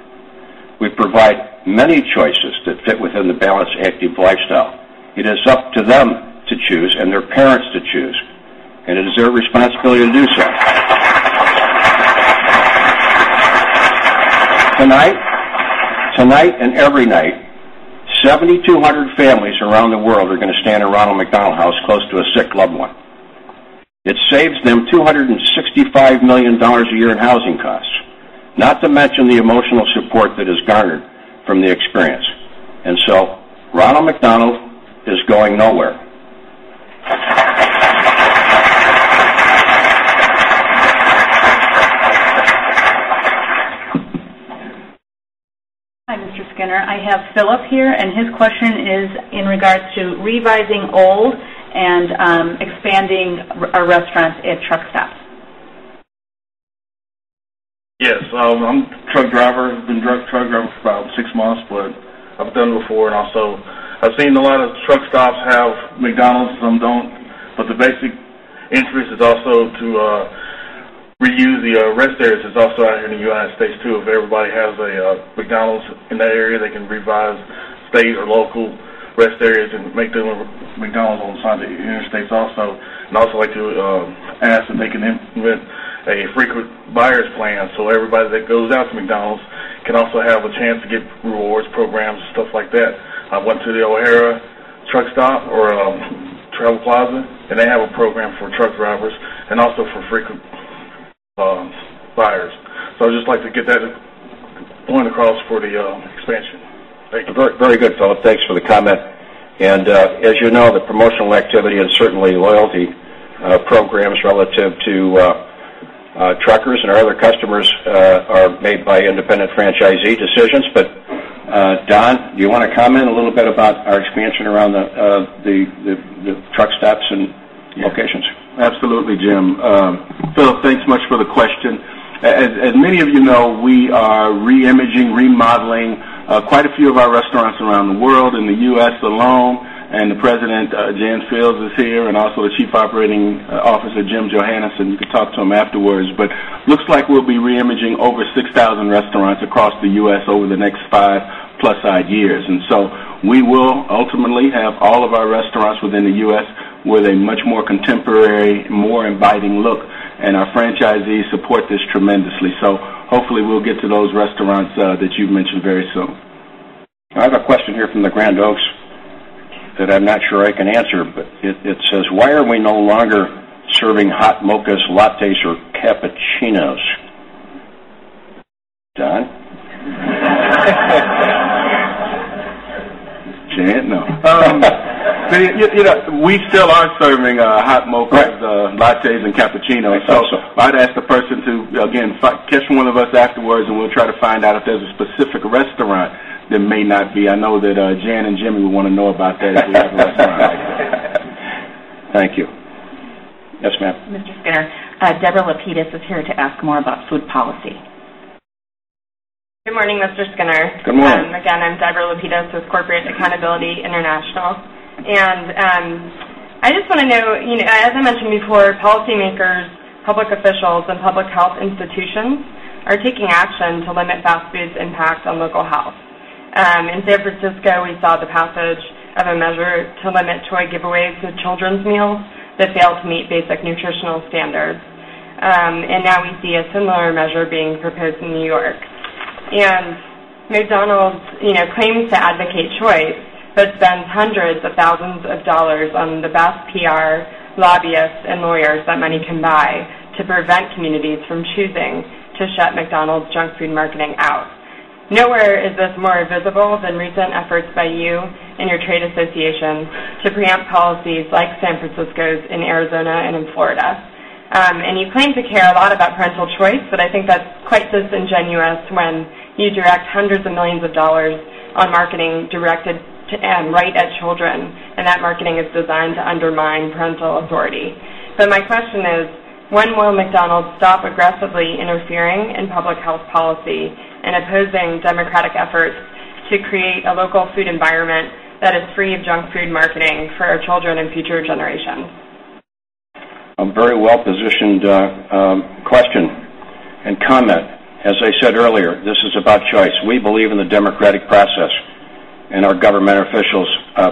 We provide many choices that fit within the balanced active lifestyle. It is up to them to choose and their parents to choose, and it is their responsibility to do so. Tonight and every night, 7,200 families around the world are going to stand in Ronald McDonald House close to a sick loved one. It saves them $265 million a year in housing costs, not to mention the emotional support that is garnered from the experience. Ronald McDonald is going nowhere. Hi, Mr. Skinner. I have Philip here, and his question is in regards to revising old and expanding our restaurants at truck stops. Yes. I'm a truck driver. I've been a truck driver for about six months, but I've done it before. I've seen a lot of truck stops have McDonald's, some don't. The basic interest is also to reuse the rest areas that are out here in the United States, too. If everybody has a McDonald's in that area, they can revise state or local rest areas and make them McDonald's on the side of the interstates also. I'd also like to ask that they can implement a frequent buyer's plan so everybody that goes out to McDonald's can also have a chance to get school awards programs, stuff like that. I went to the O'Hara truck stop or Travel Plaza, and they have a program for truck drivers and also for frequent buyers. I'd just like to get that point across for the expansion. Thank you. Very good, Philip. Thanks for the comment. As you know, the promotional activity and certainly loyalty programs relative to truckers and our other customers are made by independent franchisee decisions. Don, do you want to comment a little bit about our experience around the truck stops and locations? Absolutely, Jim. Philip, thanks so much for the question. As many of you know, we are reimaging, remodeling quite a few of our restaurants around the world. In the U.S. alone, and the President, Jan Fields, is here and also the Chief Operating Officer, Jim Johannesen. You can talk to him afterwards. It looks like we'll be reimaging over 6,000 restaurants across the U.S. over the next five-plus odd years. We will ultimately have all of our restaurants within the U.S. with a much more contemporary, more inviting look, and our franchisees support this tremendously. Hopefully, we'll get to those restaurants that you mentioned very soon. I have a question here from the Grand Oaks that I'm not sure I can answer, but it says, "Why are we no longer serving hot mochas, lattes, or cappuccinos?" Don? Say it, no. We still are serving hot mochas, lattes, and cappuccinos. I might ask the person to, again, text one of us afterwards, and we'll try to find out if there's a specific restaurant that may not be. I know that Jan and Jim would want to know about that if you have another one. Thank you. Yes, ma'am. Mr. Skinner, Deborah Lapidus is here to ask more about food policy. Good morning, Mr. Skinner. I'm Deborah Lapidus with Corporate Accountability International. I just want to know, as I mentioned before, policymakers, public officials, and public health institutions are taking action to limit fast food's impact on local health. In San Francisco, we saw the passage of a measure to limit choice giveaways to children's meals that fail to meet basic nutritional standards. Now we see a similar measure being proposed in New York. McDonald's claims to advocate choice but spends hundreds of thousands of dollars on the best PR, lobbyists, and lawyers that money can buy to prevent communities from choosing to shut McDonald's junk food marketing out. Nowhere is this more visible than recent efforts by you and your trade association to preempt policies like San Francisco's in Arizona and in Florida. You claim to care a lot about parental choice, but I think that's quite disingenuous when you direct hundreds of millions of dollars on marketing directed to and right at children, and that marketing is designed to undermine parental authority. My question is, when will McDonald's stop aggressively interfering in public health policy and opposing democratic efforts to create a local food environment that is free of junk food marketing for our children and future generations? A very well-positioned question and comment. As I said earlier, this is about choice. We believe in the democratic process, and our government officials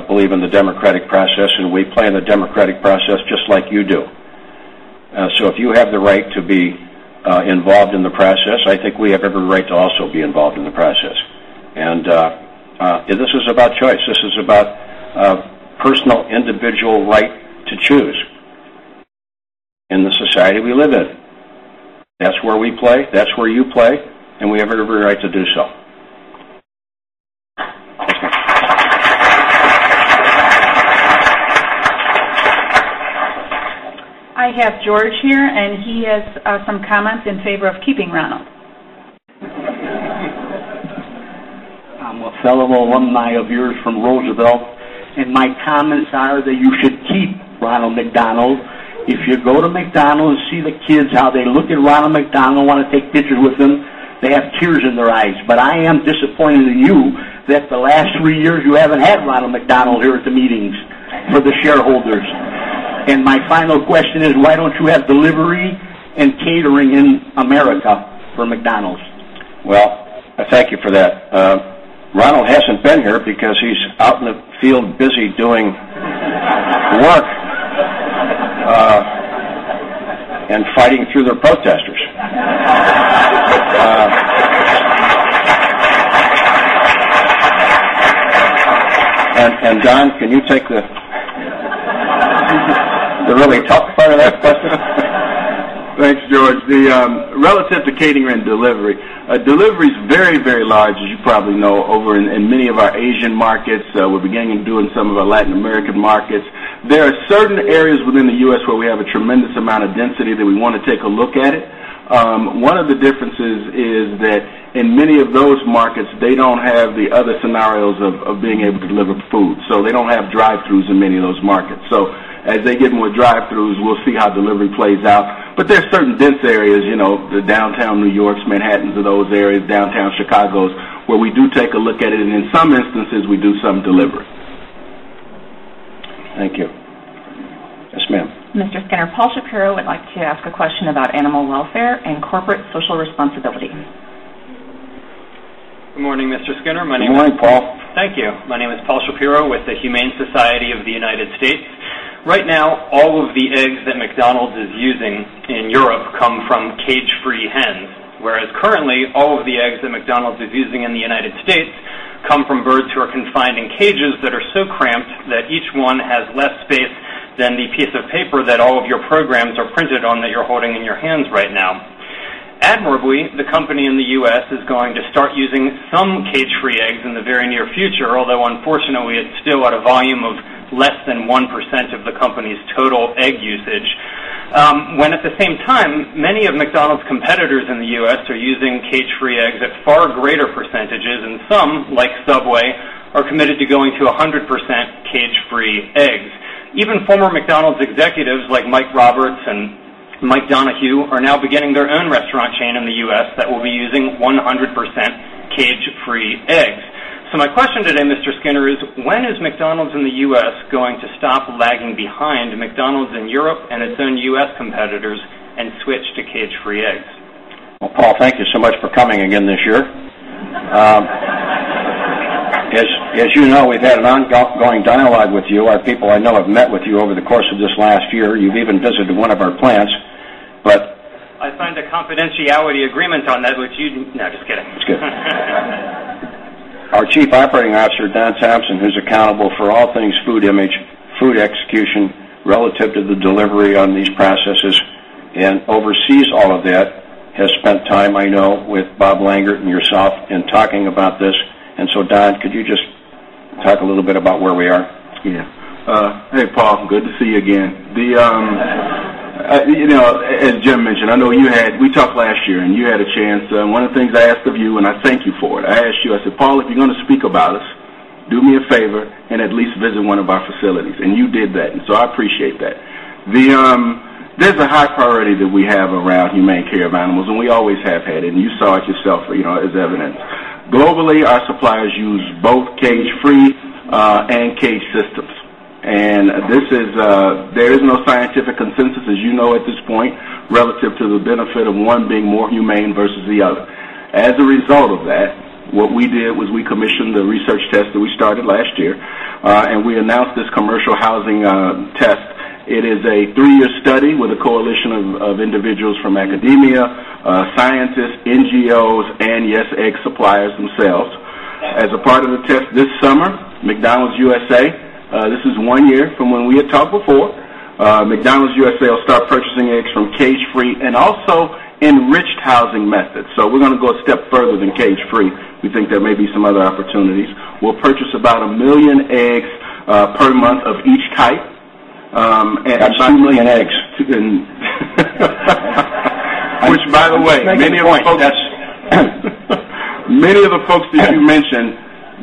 believe in the democratic process, and we plan the democratic process just like you do. If you have the right to be involved in the process, I think we have every right to also be involved in the process. This is about choice. This is about a personal, individual right to choose in the society we live in. That's where we play. That's where you play, and we have every right to do so. I have George here, and he has some comments in favor of keeping Ronald. I'm a fellow alumni of yours from Roosevelt, and my comments are that you should keep Ronald McDonald. If you go to McDonald's and see the kids, how they look at Ronald McDonald, want to take pictures with them, they have tears in their eyes. I am disappointed in you that the last three years you haven't had Ronald McDonald here at the meetings with the shareholders. My final question is, why don't you have delivery and catering in America for McDonald's? I thank you for that. Ronald hasn't been here because he's out in the field busy doing work and fighting through the protesters. Don, can you take that? Thanks, George. Relative to catering and delivery, delivery is very, very large, as you probably know, over in many of our Asian markets. We're beginning to do in some of our Latin American markets. There are certain areas within the U.S. where we have a tremendous amount of density that we want to take a look at it. One of the differences is that in many of those markets, they don't have the other scenarios of being able to deliver food. They don't have drive-thrus in many of those markets. As they get more drive-thrus, we'll see how delivery plays out. There are certain dense areas, you know, the downtown New Yorks, Manhattans, of those areas, downtown Chicago where we do take a look at it. In some instances, we do some delivery. Thank you. Yes, ma'am. Mr. Skinner, Paul Shapiro would like to ask a question about animal welfare and corporate social responsibility. Good morning, Mr. Skinner. Good morning, Paul. Thank you. My name is Paul Shapiro with the Humane Society of the United States. Right now, all of the eggs that McDonald's is using in Europe come from cage-free hens, whereas currently, all of the eggs that McDonald's is using in the U.S. come from birds who are confined in cages that are so cramped that each one has less space than the piece of paper that all of your programs are printed on that you're holding in your hands right now. Admiral Guy, the company in the U.S., is going to start using some cage-free eggs in the very near future, although unfortunately, it's still at a volume of less than 1% of the company's total egg usage. At the same time, many of McDonald's competitors in the U.S. are using cage-free eggs at far greater percentages, and some, like Subway, are committed to going to 100% cage-free eggs. Even former McDonald's executives like Mike Roberts and Mike Donahue are now beginning their own restaurant chain in the U.S. that will be using 100% cage-free eggs. My question today, Mr. Skinner, is when is McDonald's in the U.S. going to stop lagging behind McDonald's in Europe and its own U.S. competitors and switch to cage-free eggs? Paul, thank you so much for coming again this year. As you know, we've had an ongoing dialogue with you and people I know have met with you over the course of this last year. You've even visited one of our plants. I signed a confidentiality agreement on that with you. No, just kidding. Our Chief Operating Officer, Don Thompson, who's accountable for all things food image, food execution relative to the delivery on these processes and oversees all of that, has spent time, I know, with Bob Langert and yourself in talking about this. Don, could you just talk a little bit about where we are? Yeah. Hey, Paul. Good to see you again. You know, as Jim mentioned, I know you had—we talked last year, and you had a chance. One of the things I asked of you, and I thank you for it, I asked you, I said, "Paul, if you're going to speak about us, do me a favor and at least visit one of our facilities." You did that, and I appreciate that. There's a high priority that we have around humane care of animals, and we always have had it. You saw it yourself, as evident. Globally, our suppliers use both cage-free and cage systems. There is no scientific consensus, as you know, at this point, relative to the benefit of one being more humane versus the other. As a result of that, what we did was we commissioned the research test that we started last year, and we announced this commercial housing test. It is a three-year study with a coalition of individuals from academia, scientists, NGOs, and yes, egg suppliers themselves. As a part of the test this summer, McDonald's USA—this is one year from when we had talked before—McDonald's USA will start purchasing eggs from cage-free and also enriched housing methods. We are going to go a step further than cage-free. We think there may be some other opportunities. We'll purchase about $1 million eggs per month of each type. That's 2 million eggs. Which, by the way, many of the folks that you mentioned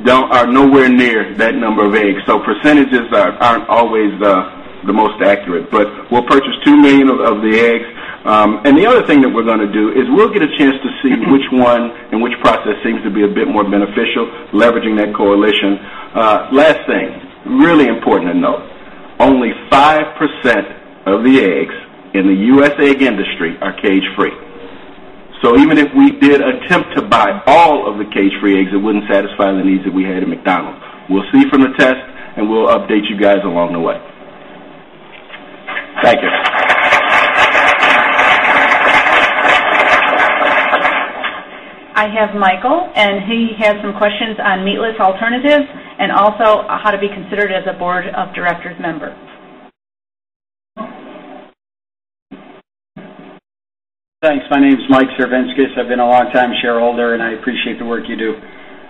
are nowhere near that number of eggs. Percentages aren't always the most accurate. We'll purchase 2 million of the eggs. The other thing that we're going to do is we'll get a chance to see which one and which process seems to be a bit more beneficial, leveraging that coalition. Last thing, really important to note, only 5% of the eggs in the U.S. egg industry are cage-free. Even if we did attempt to buy all of the cage-free eggs, it wouldn't satisfy the needs that we had at McDonald's. We'll see from the test, and we'll update you guys along the way. I have Michael, and he has some questions on needless alternatives and also how to be considered as a Board of Directors member. Thanks. My name is Mike Servinskis. I've been a long-time shareholder, and I appreciate the work you do.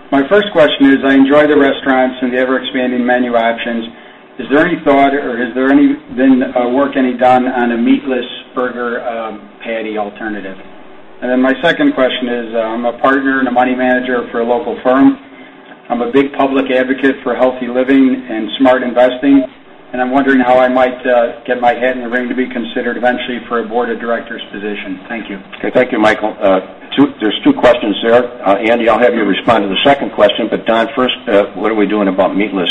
My first question is, I enjoy the restaurants and the ever-expanding menu options. Is there any thought or has there been work done on a meatless burger patty alternative? My second question is, I'm a partner and a money manager for a local firm. I'm a big public advocate for healthy living and smart investing, and I'm wondering how I might get my hat in the ring to be considered eventually for a board of directors position. Thank you. Okay. Thank you, Michael. There are two questions there. Andy, I'll have you respond to the second question, but Don, first, what are we doing about meatless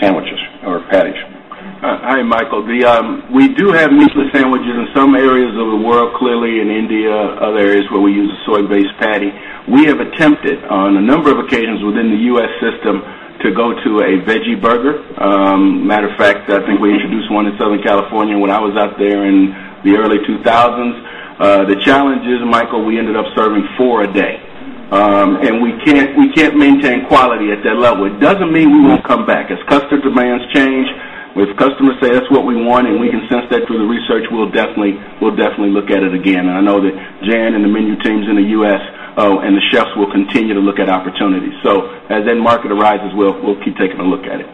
sandwiches or patties? Hi, Michael. We do have meatless sandwiches in some areas of the world, clearly in India, other areas where we use a soy-based patty. We have attempted on a number of occasions within the U.S. system to go to a veggie burger. Matter of fact, I think we introduced one in Southern California when I was out there in the early 2000s. The challenge is, Michael, we ended up serving four a day, and we can't maintain quality at that level. It doesn't mean we won't come back. As customer demands change, as customers say, "That's what we want," and we can sense that through the research, we'll definitely look at it again. I know that Jan and the menu teams in the U.S. and the chefs will continue to look at opportunities. As that market arises, we'll keep taking a look at it.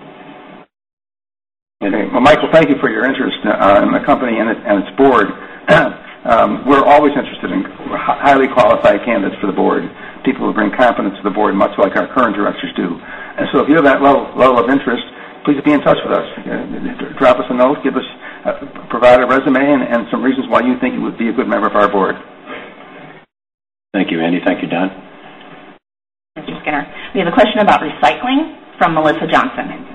Michael, thank you for your interest in the company and its board. We're always interested in highly qualified candidates for the board, people who bring competence to the board, much like our current directors do. If you have that level of interest, please be in touch with us. Drop us a note, give us a proper resume and some reasons why you think you would be a good member of our board. Thank you, Andy. Thank you, Don. Thank you, Skinner. We have a question about recycling from Melissa Johnson.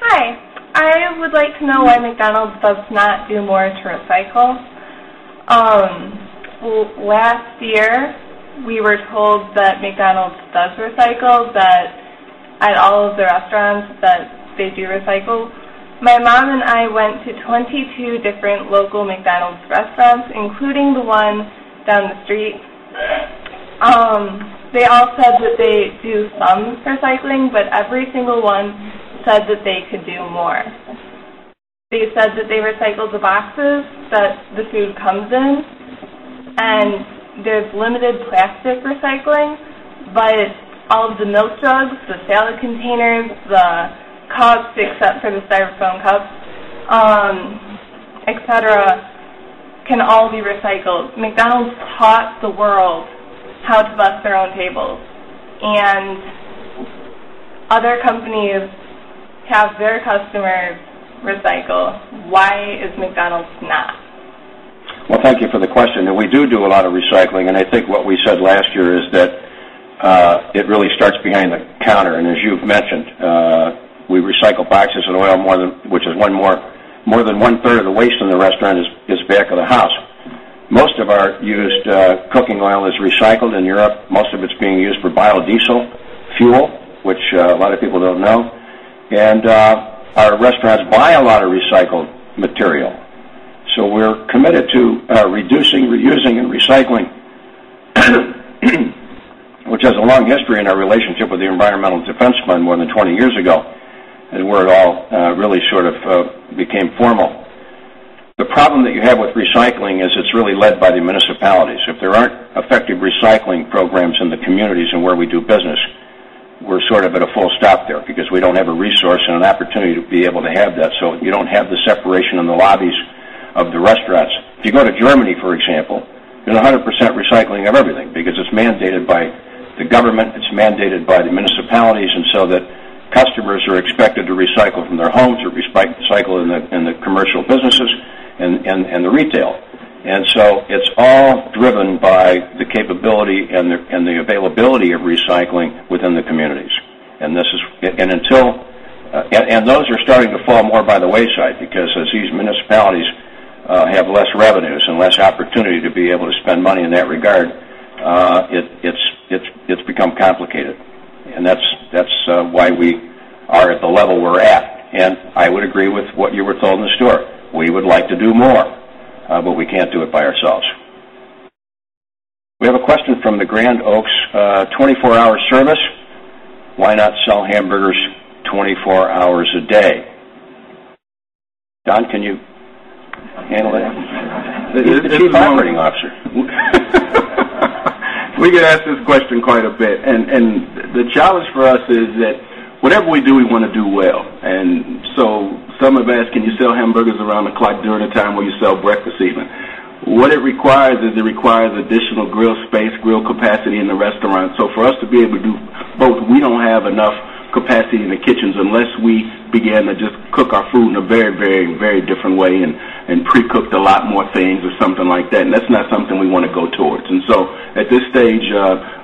Hi. I would like to know why McDonald's does not do more to recycle. Last year, we were told that McDonald's does recycle, but at all of the restaurants that they do recycle, my mom and I went to 22 different local McDonald's restaurants, including the one down the street. They all said that they do some recycling, but every single one said that they could do more. They said that they recycle the boxes that the food comes in, and there's limited plastic recycling, but all of the milk jugs, the salad containers, the cups, except for the polystyrene cups, etc., can all be recycled. McDonald's taught the world how to bust their own tables, and other companies have their customers recycle. Why is McDonald's not? Thank you for the question. We do do a lot of recycling. I think what we said last year is that it really starts behind the counter. As you've mentioned, we recycle boxes of oil, which is more than one-third of the waste in the restaurant is back of the house. Most of our used cooking oil is recycled in Europe. Most of it's being used for biodiesel fuel, which a lot of people don't know. Our restaurants buy a lot of recycled material. We're committed to reducing, reusing, and recycling, which has a long history in our relationship with the Environmental Defense Fund more than 20 years ago, and where it all really sort of became formal. The problem that you have with recycling is it's really led by the municipalities. If there aren't effective recycling programs in the communities where we do business, we're sort of at a full stop there because we don't have a resource and an opportunity to be able to have that. You don't have the separation in the lobbies of the restaurants. If you go to Germany, for example, there's 100% recycling of everything because it's mandated by the government, it's mandated by the municipalities, and customers are expected to recycle from their homes or recycle in the commercial businesses and the retail. It's all driven by the capability and the availability of recycling within the communities. Until those are starting to fall more by the wayside because as these municipalities have less revenues and less opportunity to be able to spend money in that regard, it's become complicated. That's why we are at the level we're at. I would agree with what you were told in the store. We would like to do more, but we can't do it by ourselves. We have a question from the Grand Oaks. 24-hour service, why not sell hamburgers 24 hours a day? Don, can you handle that? The team operating officer. We get asked this question quite a bit. The challenge for us is that whatever we do, we want to do well. Some have asked, "Can you sell hamburgers around the clock during the time where you sell breakfast even?" What it requires is it requires additional grill space, grill capacity in the restaurant. For us to be able to do both, we don't have enough capacity in the kitchens unless we began to just cook our food in a very, very, very different way and pre-cooked a lot more things or something like that. That's not something we want to go towards. At this stage,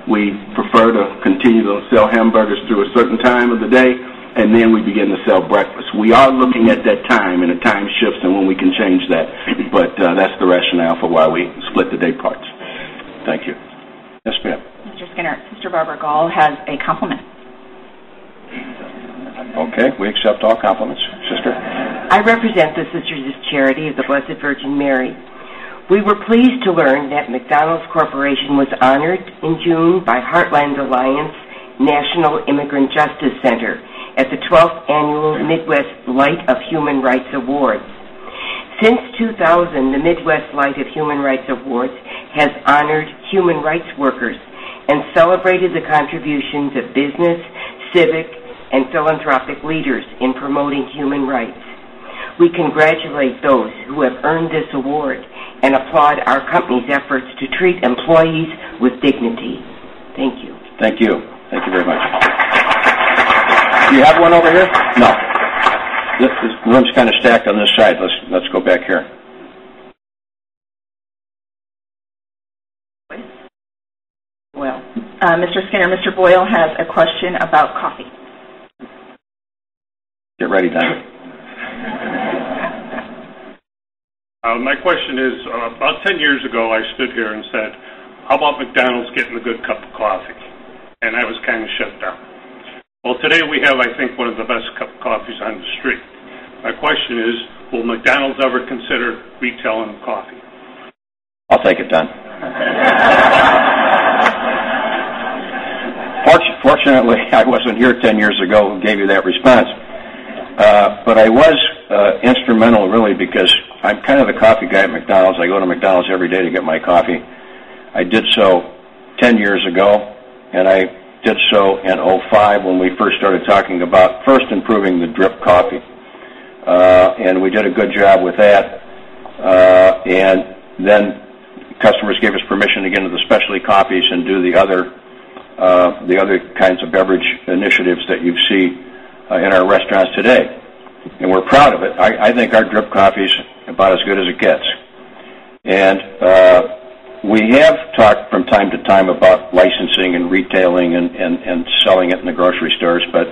we prefer to continue to sell hamburgers through a certain time of the day, and then we begin to sell breakfast. We are looking at that time and the time shift and when we can change that. That's the rationale for why we split the day parts. Thank you. Yes, ma'am. Mr. Skinner, Sister Barbara Gaul has a compliment. Okay, we accept all compliments. Sister? I represent the Sisters of Charity of the Blessed Virgin Mary. We were pleased to learn that McDonald's Corporation was honored in June by Heartland Alliance National Immigrant Justice Center at the 12th Annual Midwest Light of Human Rights Awards. Since 2000, the Midwest Light of Human Rights Awards has honored human rights workers and celebrated the contributions of business, civic, and philanthropic leaders in promoting human rights. We congratulate those who have earned this award and applaud our company's efforts to treat employees with dignity. Thank you. Thank you. Thank you very myuch. Do you have one over here? No. Let's just kind of stack on this side. Let's go back here. Mr. Skinner, Mr. Boyle has a question about coffee. Get ready, Don. My question is, about 10 years ago, I stood here and said, "How about McDonald's getting a good cup of coffee?" I was kind of shut down. Today we have, I think, one of the best cups of coffee on the street. My question is, will McDonald's ever consider retailing coffee? I'll take it, Don. Fortunately, I wasn't here 10 years ago who gave you that response. I was instrumental, really, because I'm kind of a coffee guy at McDonald's. I go to McDonald's every day to get my coffee. I did so 10 years ago, and I did so in 2005 when we first started talking about first improving the drip coffee. We did a good job with that. Customers gave us permission to get into the specialty coffees and do the other kinds of beverage initiatives that you've seen in our restaurants today. We're proud of it. I think our drip coffee is about as good as it gets. We have talked from time to time about licensing and retailing and selling it in the grocery stores, but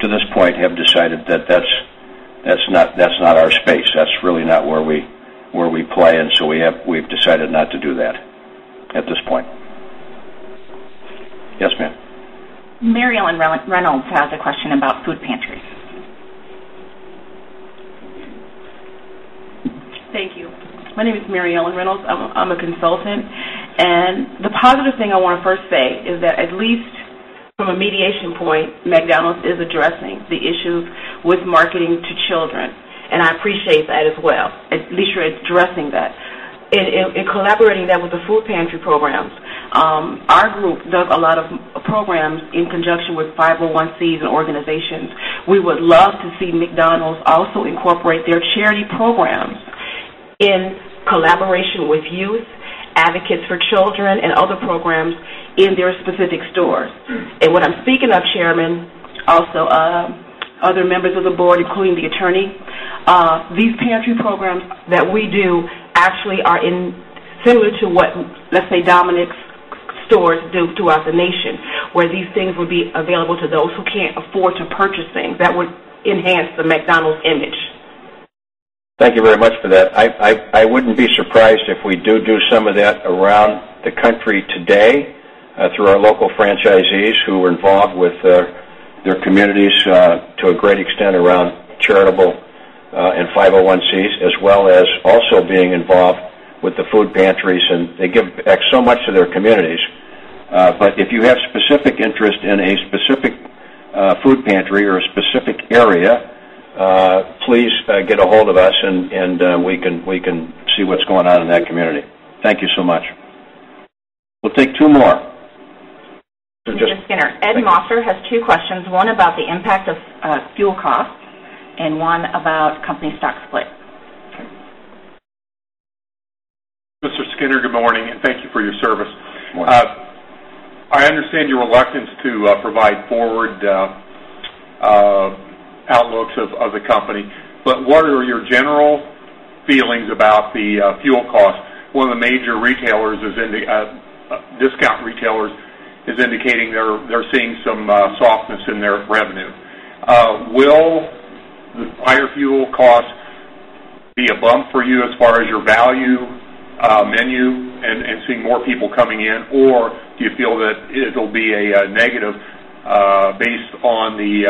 to this point, we have decided that that's not our space. That's really not where we play in. We've decided not to do that at this point. Yes, ma'am. Mary Ellen Reynolds has a question about food pantries. Thank you. My name is Mary Ellen Reynolds. I'm a consultant. The positive thing I want to first say is that at least from a mediation point, McDonald's is addressing the issue with marketing to children. I appreciate that as well. At least you're addressing that. In collaborating that with the food pantry programs, our group does a lot of programs in conjunction with 501(c)s and organizations. We would love to see McDonald's also incorporate their charity program in collaboration with youth advocates for children and other programs in their specific store. When I'm speaking of Chairman, also other members of the Board, including the attorney, these pantry programs that we do actually are similar to what, let's say, dominant stores do throughout the nation, where these things would be available to those who can't afford to purchase things that would enhance the McDonald's image. Thank you very much for that. I wouldn't be surprised if we do some of that around the country today through our local franchisees who are involved with their communities to a great extent around charitable and 501(c)s, as well as also being involved with the food pantries. They give back so much to their communities. If you have specific interest in a specific food pantry or a specific area, please get a hold of us, and we can see what's going on in that community. Thank you so much. We'll take two more. Mr. Skinner, Ed Mosser has two questions, one about the impact of fuel costs and one about company stock split. Mr. Skinner, good morning, and thank you for your service. I understand your reluctance to provide forward outlooks of the company, but what are your general feelings about the fuel costs? One of the major retailers in the discount retailers is indicating they're seeing some softness in their revenue. Will the higher fuel cost be a bump for you as far as your value menu and seeing more people coming in, or do you feel that it'll be a negative based on the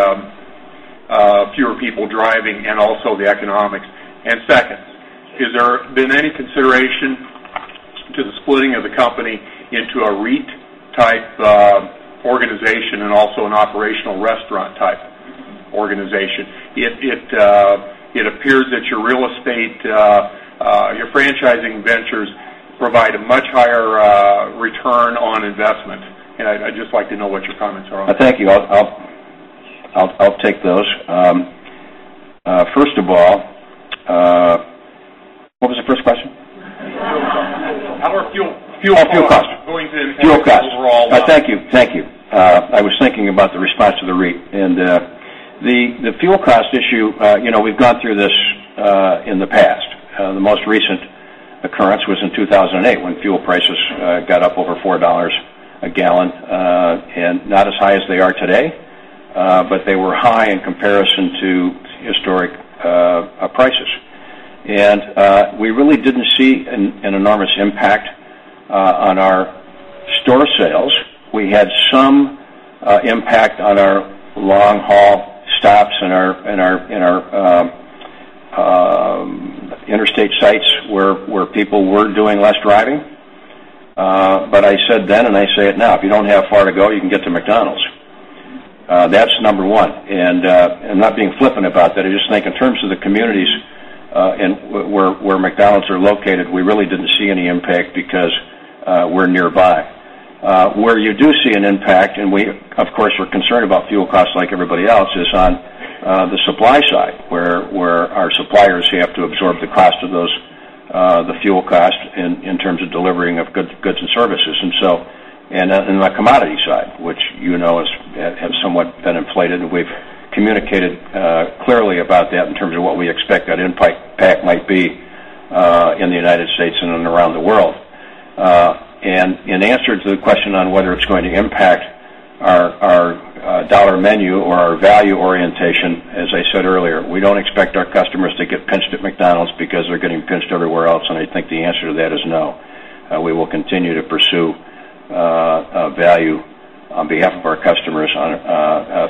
fewer people driving and also the economics? Second, has there been any consideration to the splitting of the company into a REIT-type organization and also an operational restaurant-type organization? It appears that your real estate, your franchising ventures provide a much higher return on investment. I'd just like to know what your comments are on that. Thank you. I'll take those. First of all, what was your first question? How does fuel. Oh, fuel cost. Going in overall. Fuel cost. Thank you. Thank you. I was thinking about the response to the REIT. The fuel cost issue, you know, we've gone through this in the past. The most recent occurrence was in 2008 when fuel prices got up over $4 a gallon, and not as high as they are today, but they were high in comparison to historic prices. We really didn't see an enormous impact on our store sales. We had some impact on our long-haul stops and our interstate sites where people were doing less driving. I said then, and I say it now, if you don't have far to go, you can get to McDonald's. That's number one. I'm not being flippant about that. I just think in terms of the communities and where McDonald's are located, we really didn't see any impact because we're nearby. Where you do see an impact, and we, of course, were concerned about fuel costs like everybody else, is on the supply side where our suppliers have to absorb the cost of those, the fuel costs in terms of delivering of goods and services. On the commodity side, which you know has somewhat been inflated, we've communicated clearly about that in terms of what we expect that. may be in the United States and around the world. In answer to the question on whether it's going to impact our Dollar Menu or our value orientation, as I said earlier, we don't expect our customers to get pinched at McDonald's because they're getting pinched everywhere else. I think the answer to that is no. We will continue to pursue value on behalf of our customers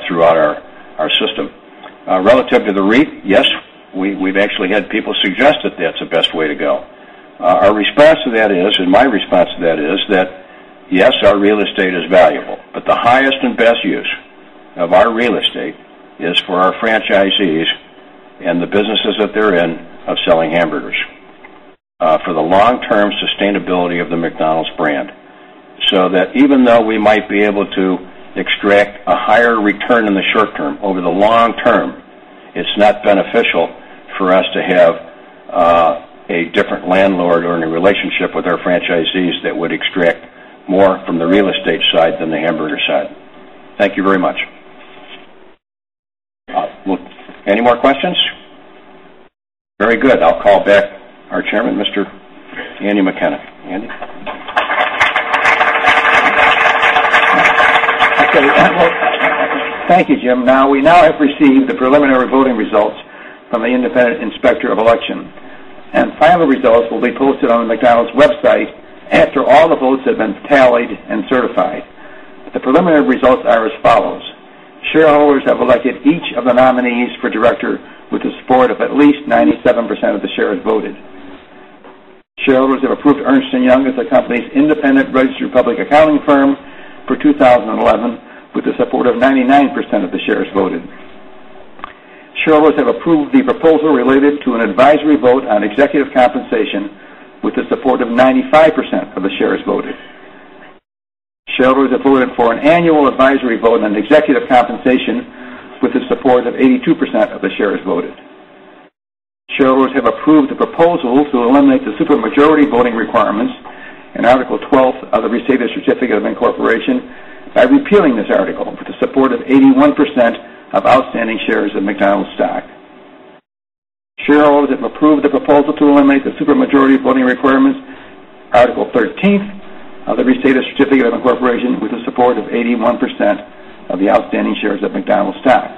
throughout our system. Relative to the REIT, yes, we've actually had people suggest that that's the best way to go. Our response to that is, and my response to that is that yes, our real estate is valuable, but the highest and best use of our real estate is for our franchisees and the businesses that they're in of selling hamburgers, for the long-term sustainability of the McDonald's brand. Even though we might be able to extract a higher return in the short term, over the long term, it's not beneficial for us to have a different landlord or any relationship with our franchisees that would extract more from the real estate side than the hamburger side. Thank you very much. Any more questions? Very good. I'll call back our Chairman, Mr. Andrew McKenna. Andy. Okay. Thank you, Jim. We now have received the preliminary voting results from the independent inspector of election. Final results will be posted on the McDonald's website after all the votes have been tallied and certified. The preliminary results are as follows: shareholders have elected each of the nominees for director with the support of at least 97% of the shares voted. Shareholders have approved Ernst & Young as the company's independent registered public accounting firm for 2011 with the support of 99% of the shares voted. Shareholders have approved the proposal related to an advisory vote on executive compensation with the support of 95% of the shares voted. Shareholders have voted for an annual advisory vote on executive compensation with the support of 82% of the shares voted. Shareholders have approved the proposal to eliminate the supermajority voting requirements in Article 12 of the Restated Certificate of Incorporation by repealing this article with the support of 81% of outstanding shares in McDonald's stock. Shareholders have approved the proposal to eliminate the supermajority voting requirements in Article 13 of the Restated Certificate of Incorporation with the support of 81% of the outstanding shares of McDonald's stock. Shareholders have approved the proposal to eliminate the supermajority voting requirement in Article 14 of the Restated Certificate of Incorporation with the support of 81% of the outstanding shares of McDonald's stock.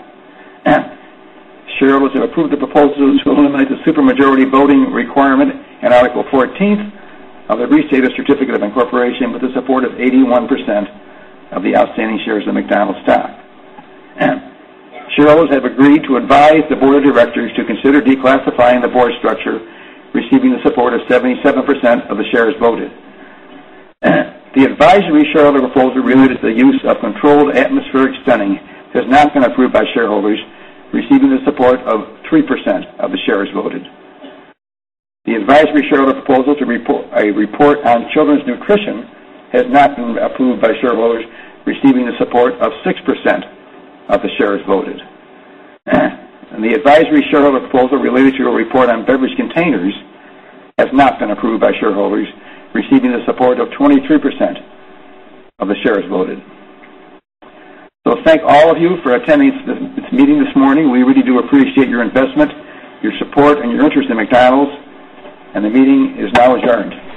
Shareholders have agreed to advise the board of directors to consider declassifying the board structure, receiving the support of 77% of the shares voted. The advisory shareholder proposal related to the use of controlled atmospheric stunning has not been approved by shareholders, receiving the support of 3% of the shares voted. The advisory shareholder proposal to report a report on children's nutrition has not been approved by shareholders, receiving the support of 6% of the shares voted. The advisory shareholder proposal related to a report on beverage containers has not been approved by shareholders, receiving the support of 23% of the shares voted. Thank all of you for attending this meeting this morning. We really do appreciate your investment, your support, and your interest in McDonald's. The meeting is now adjourned.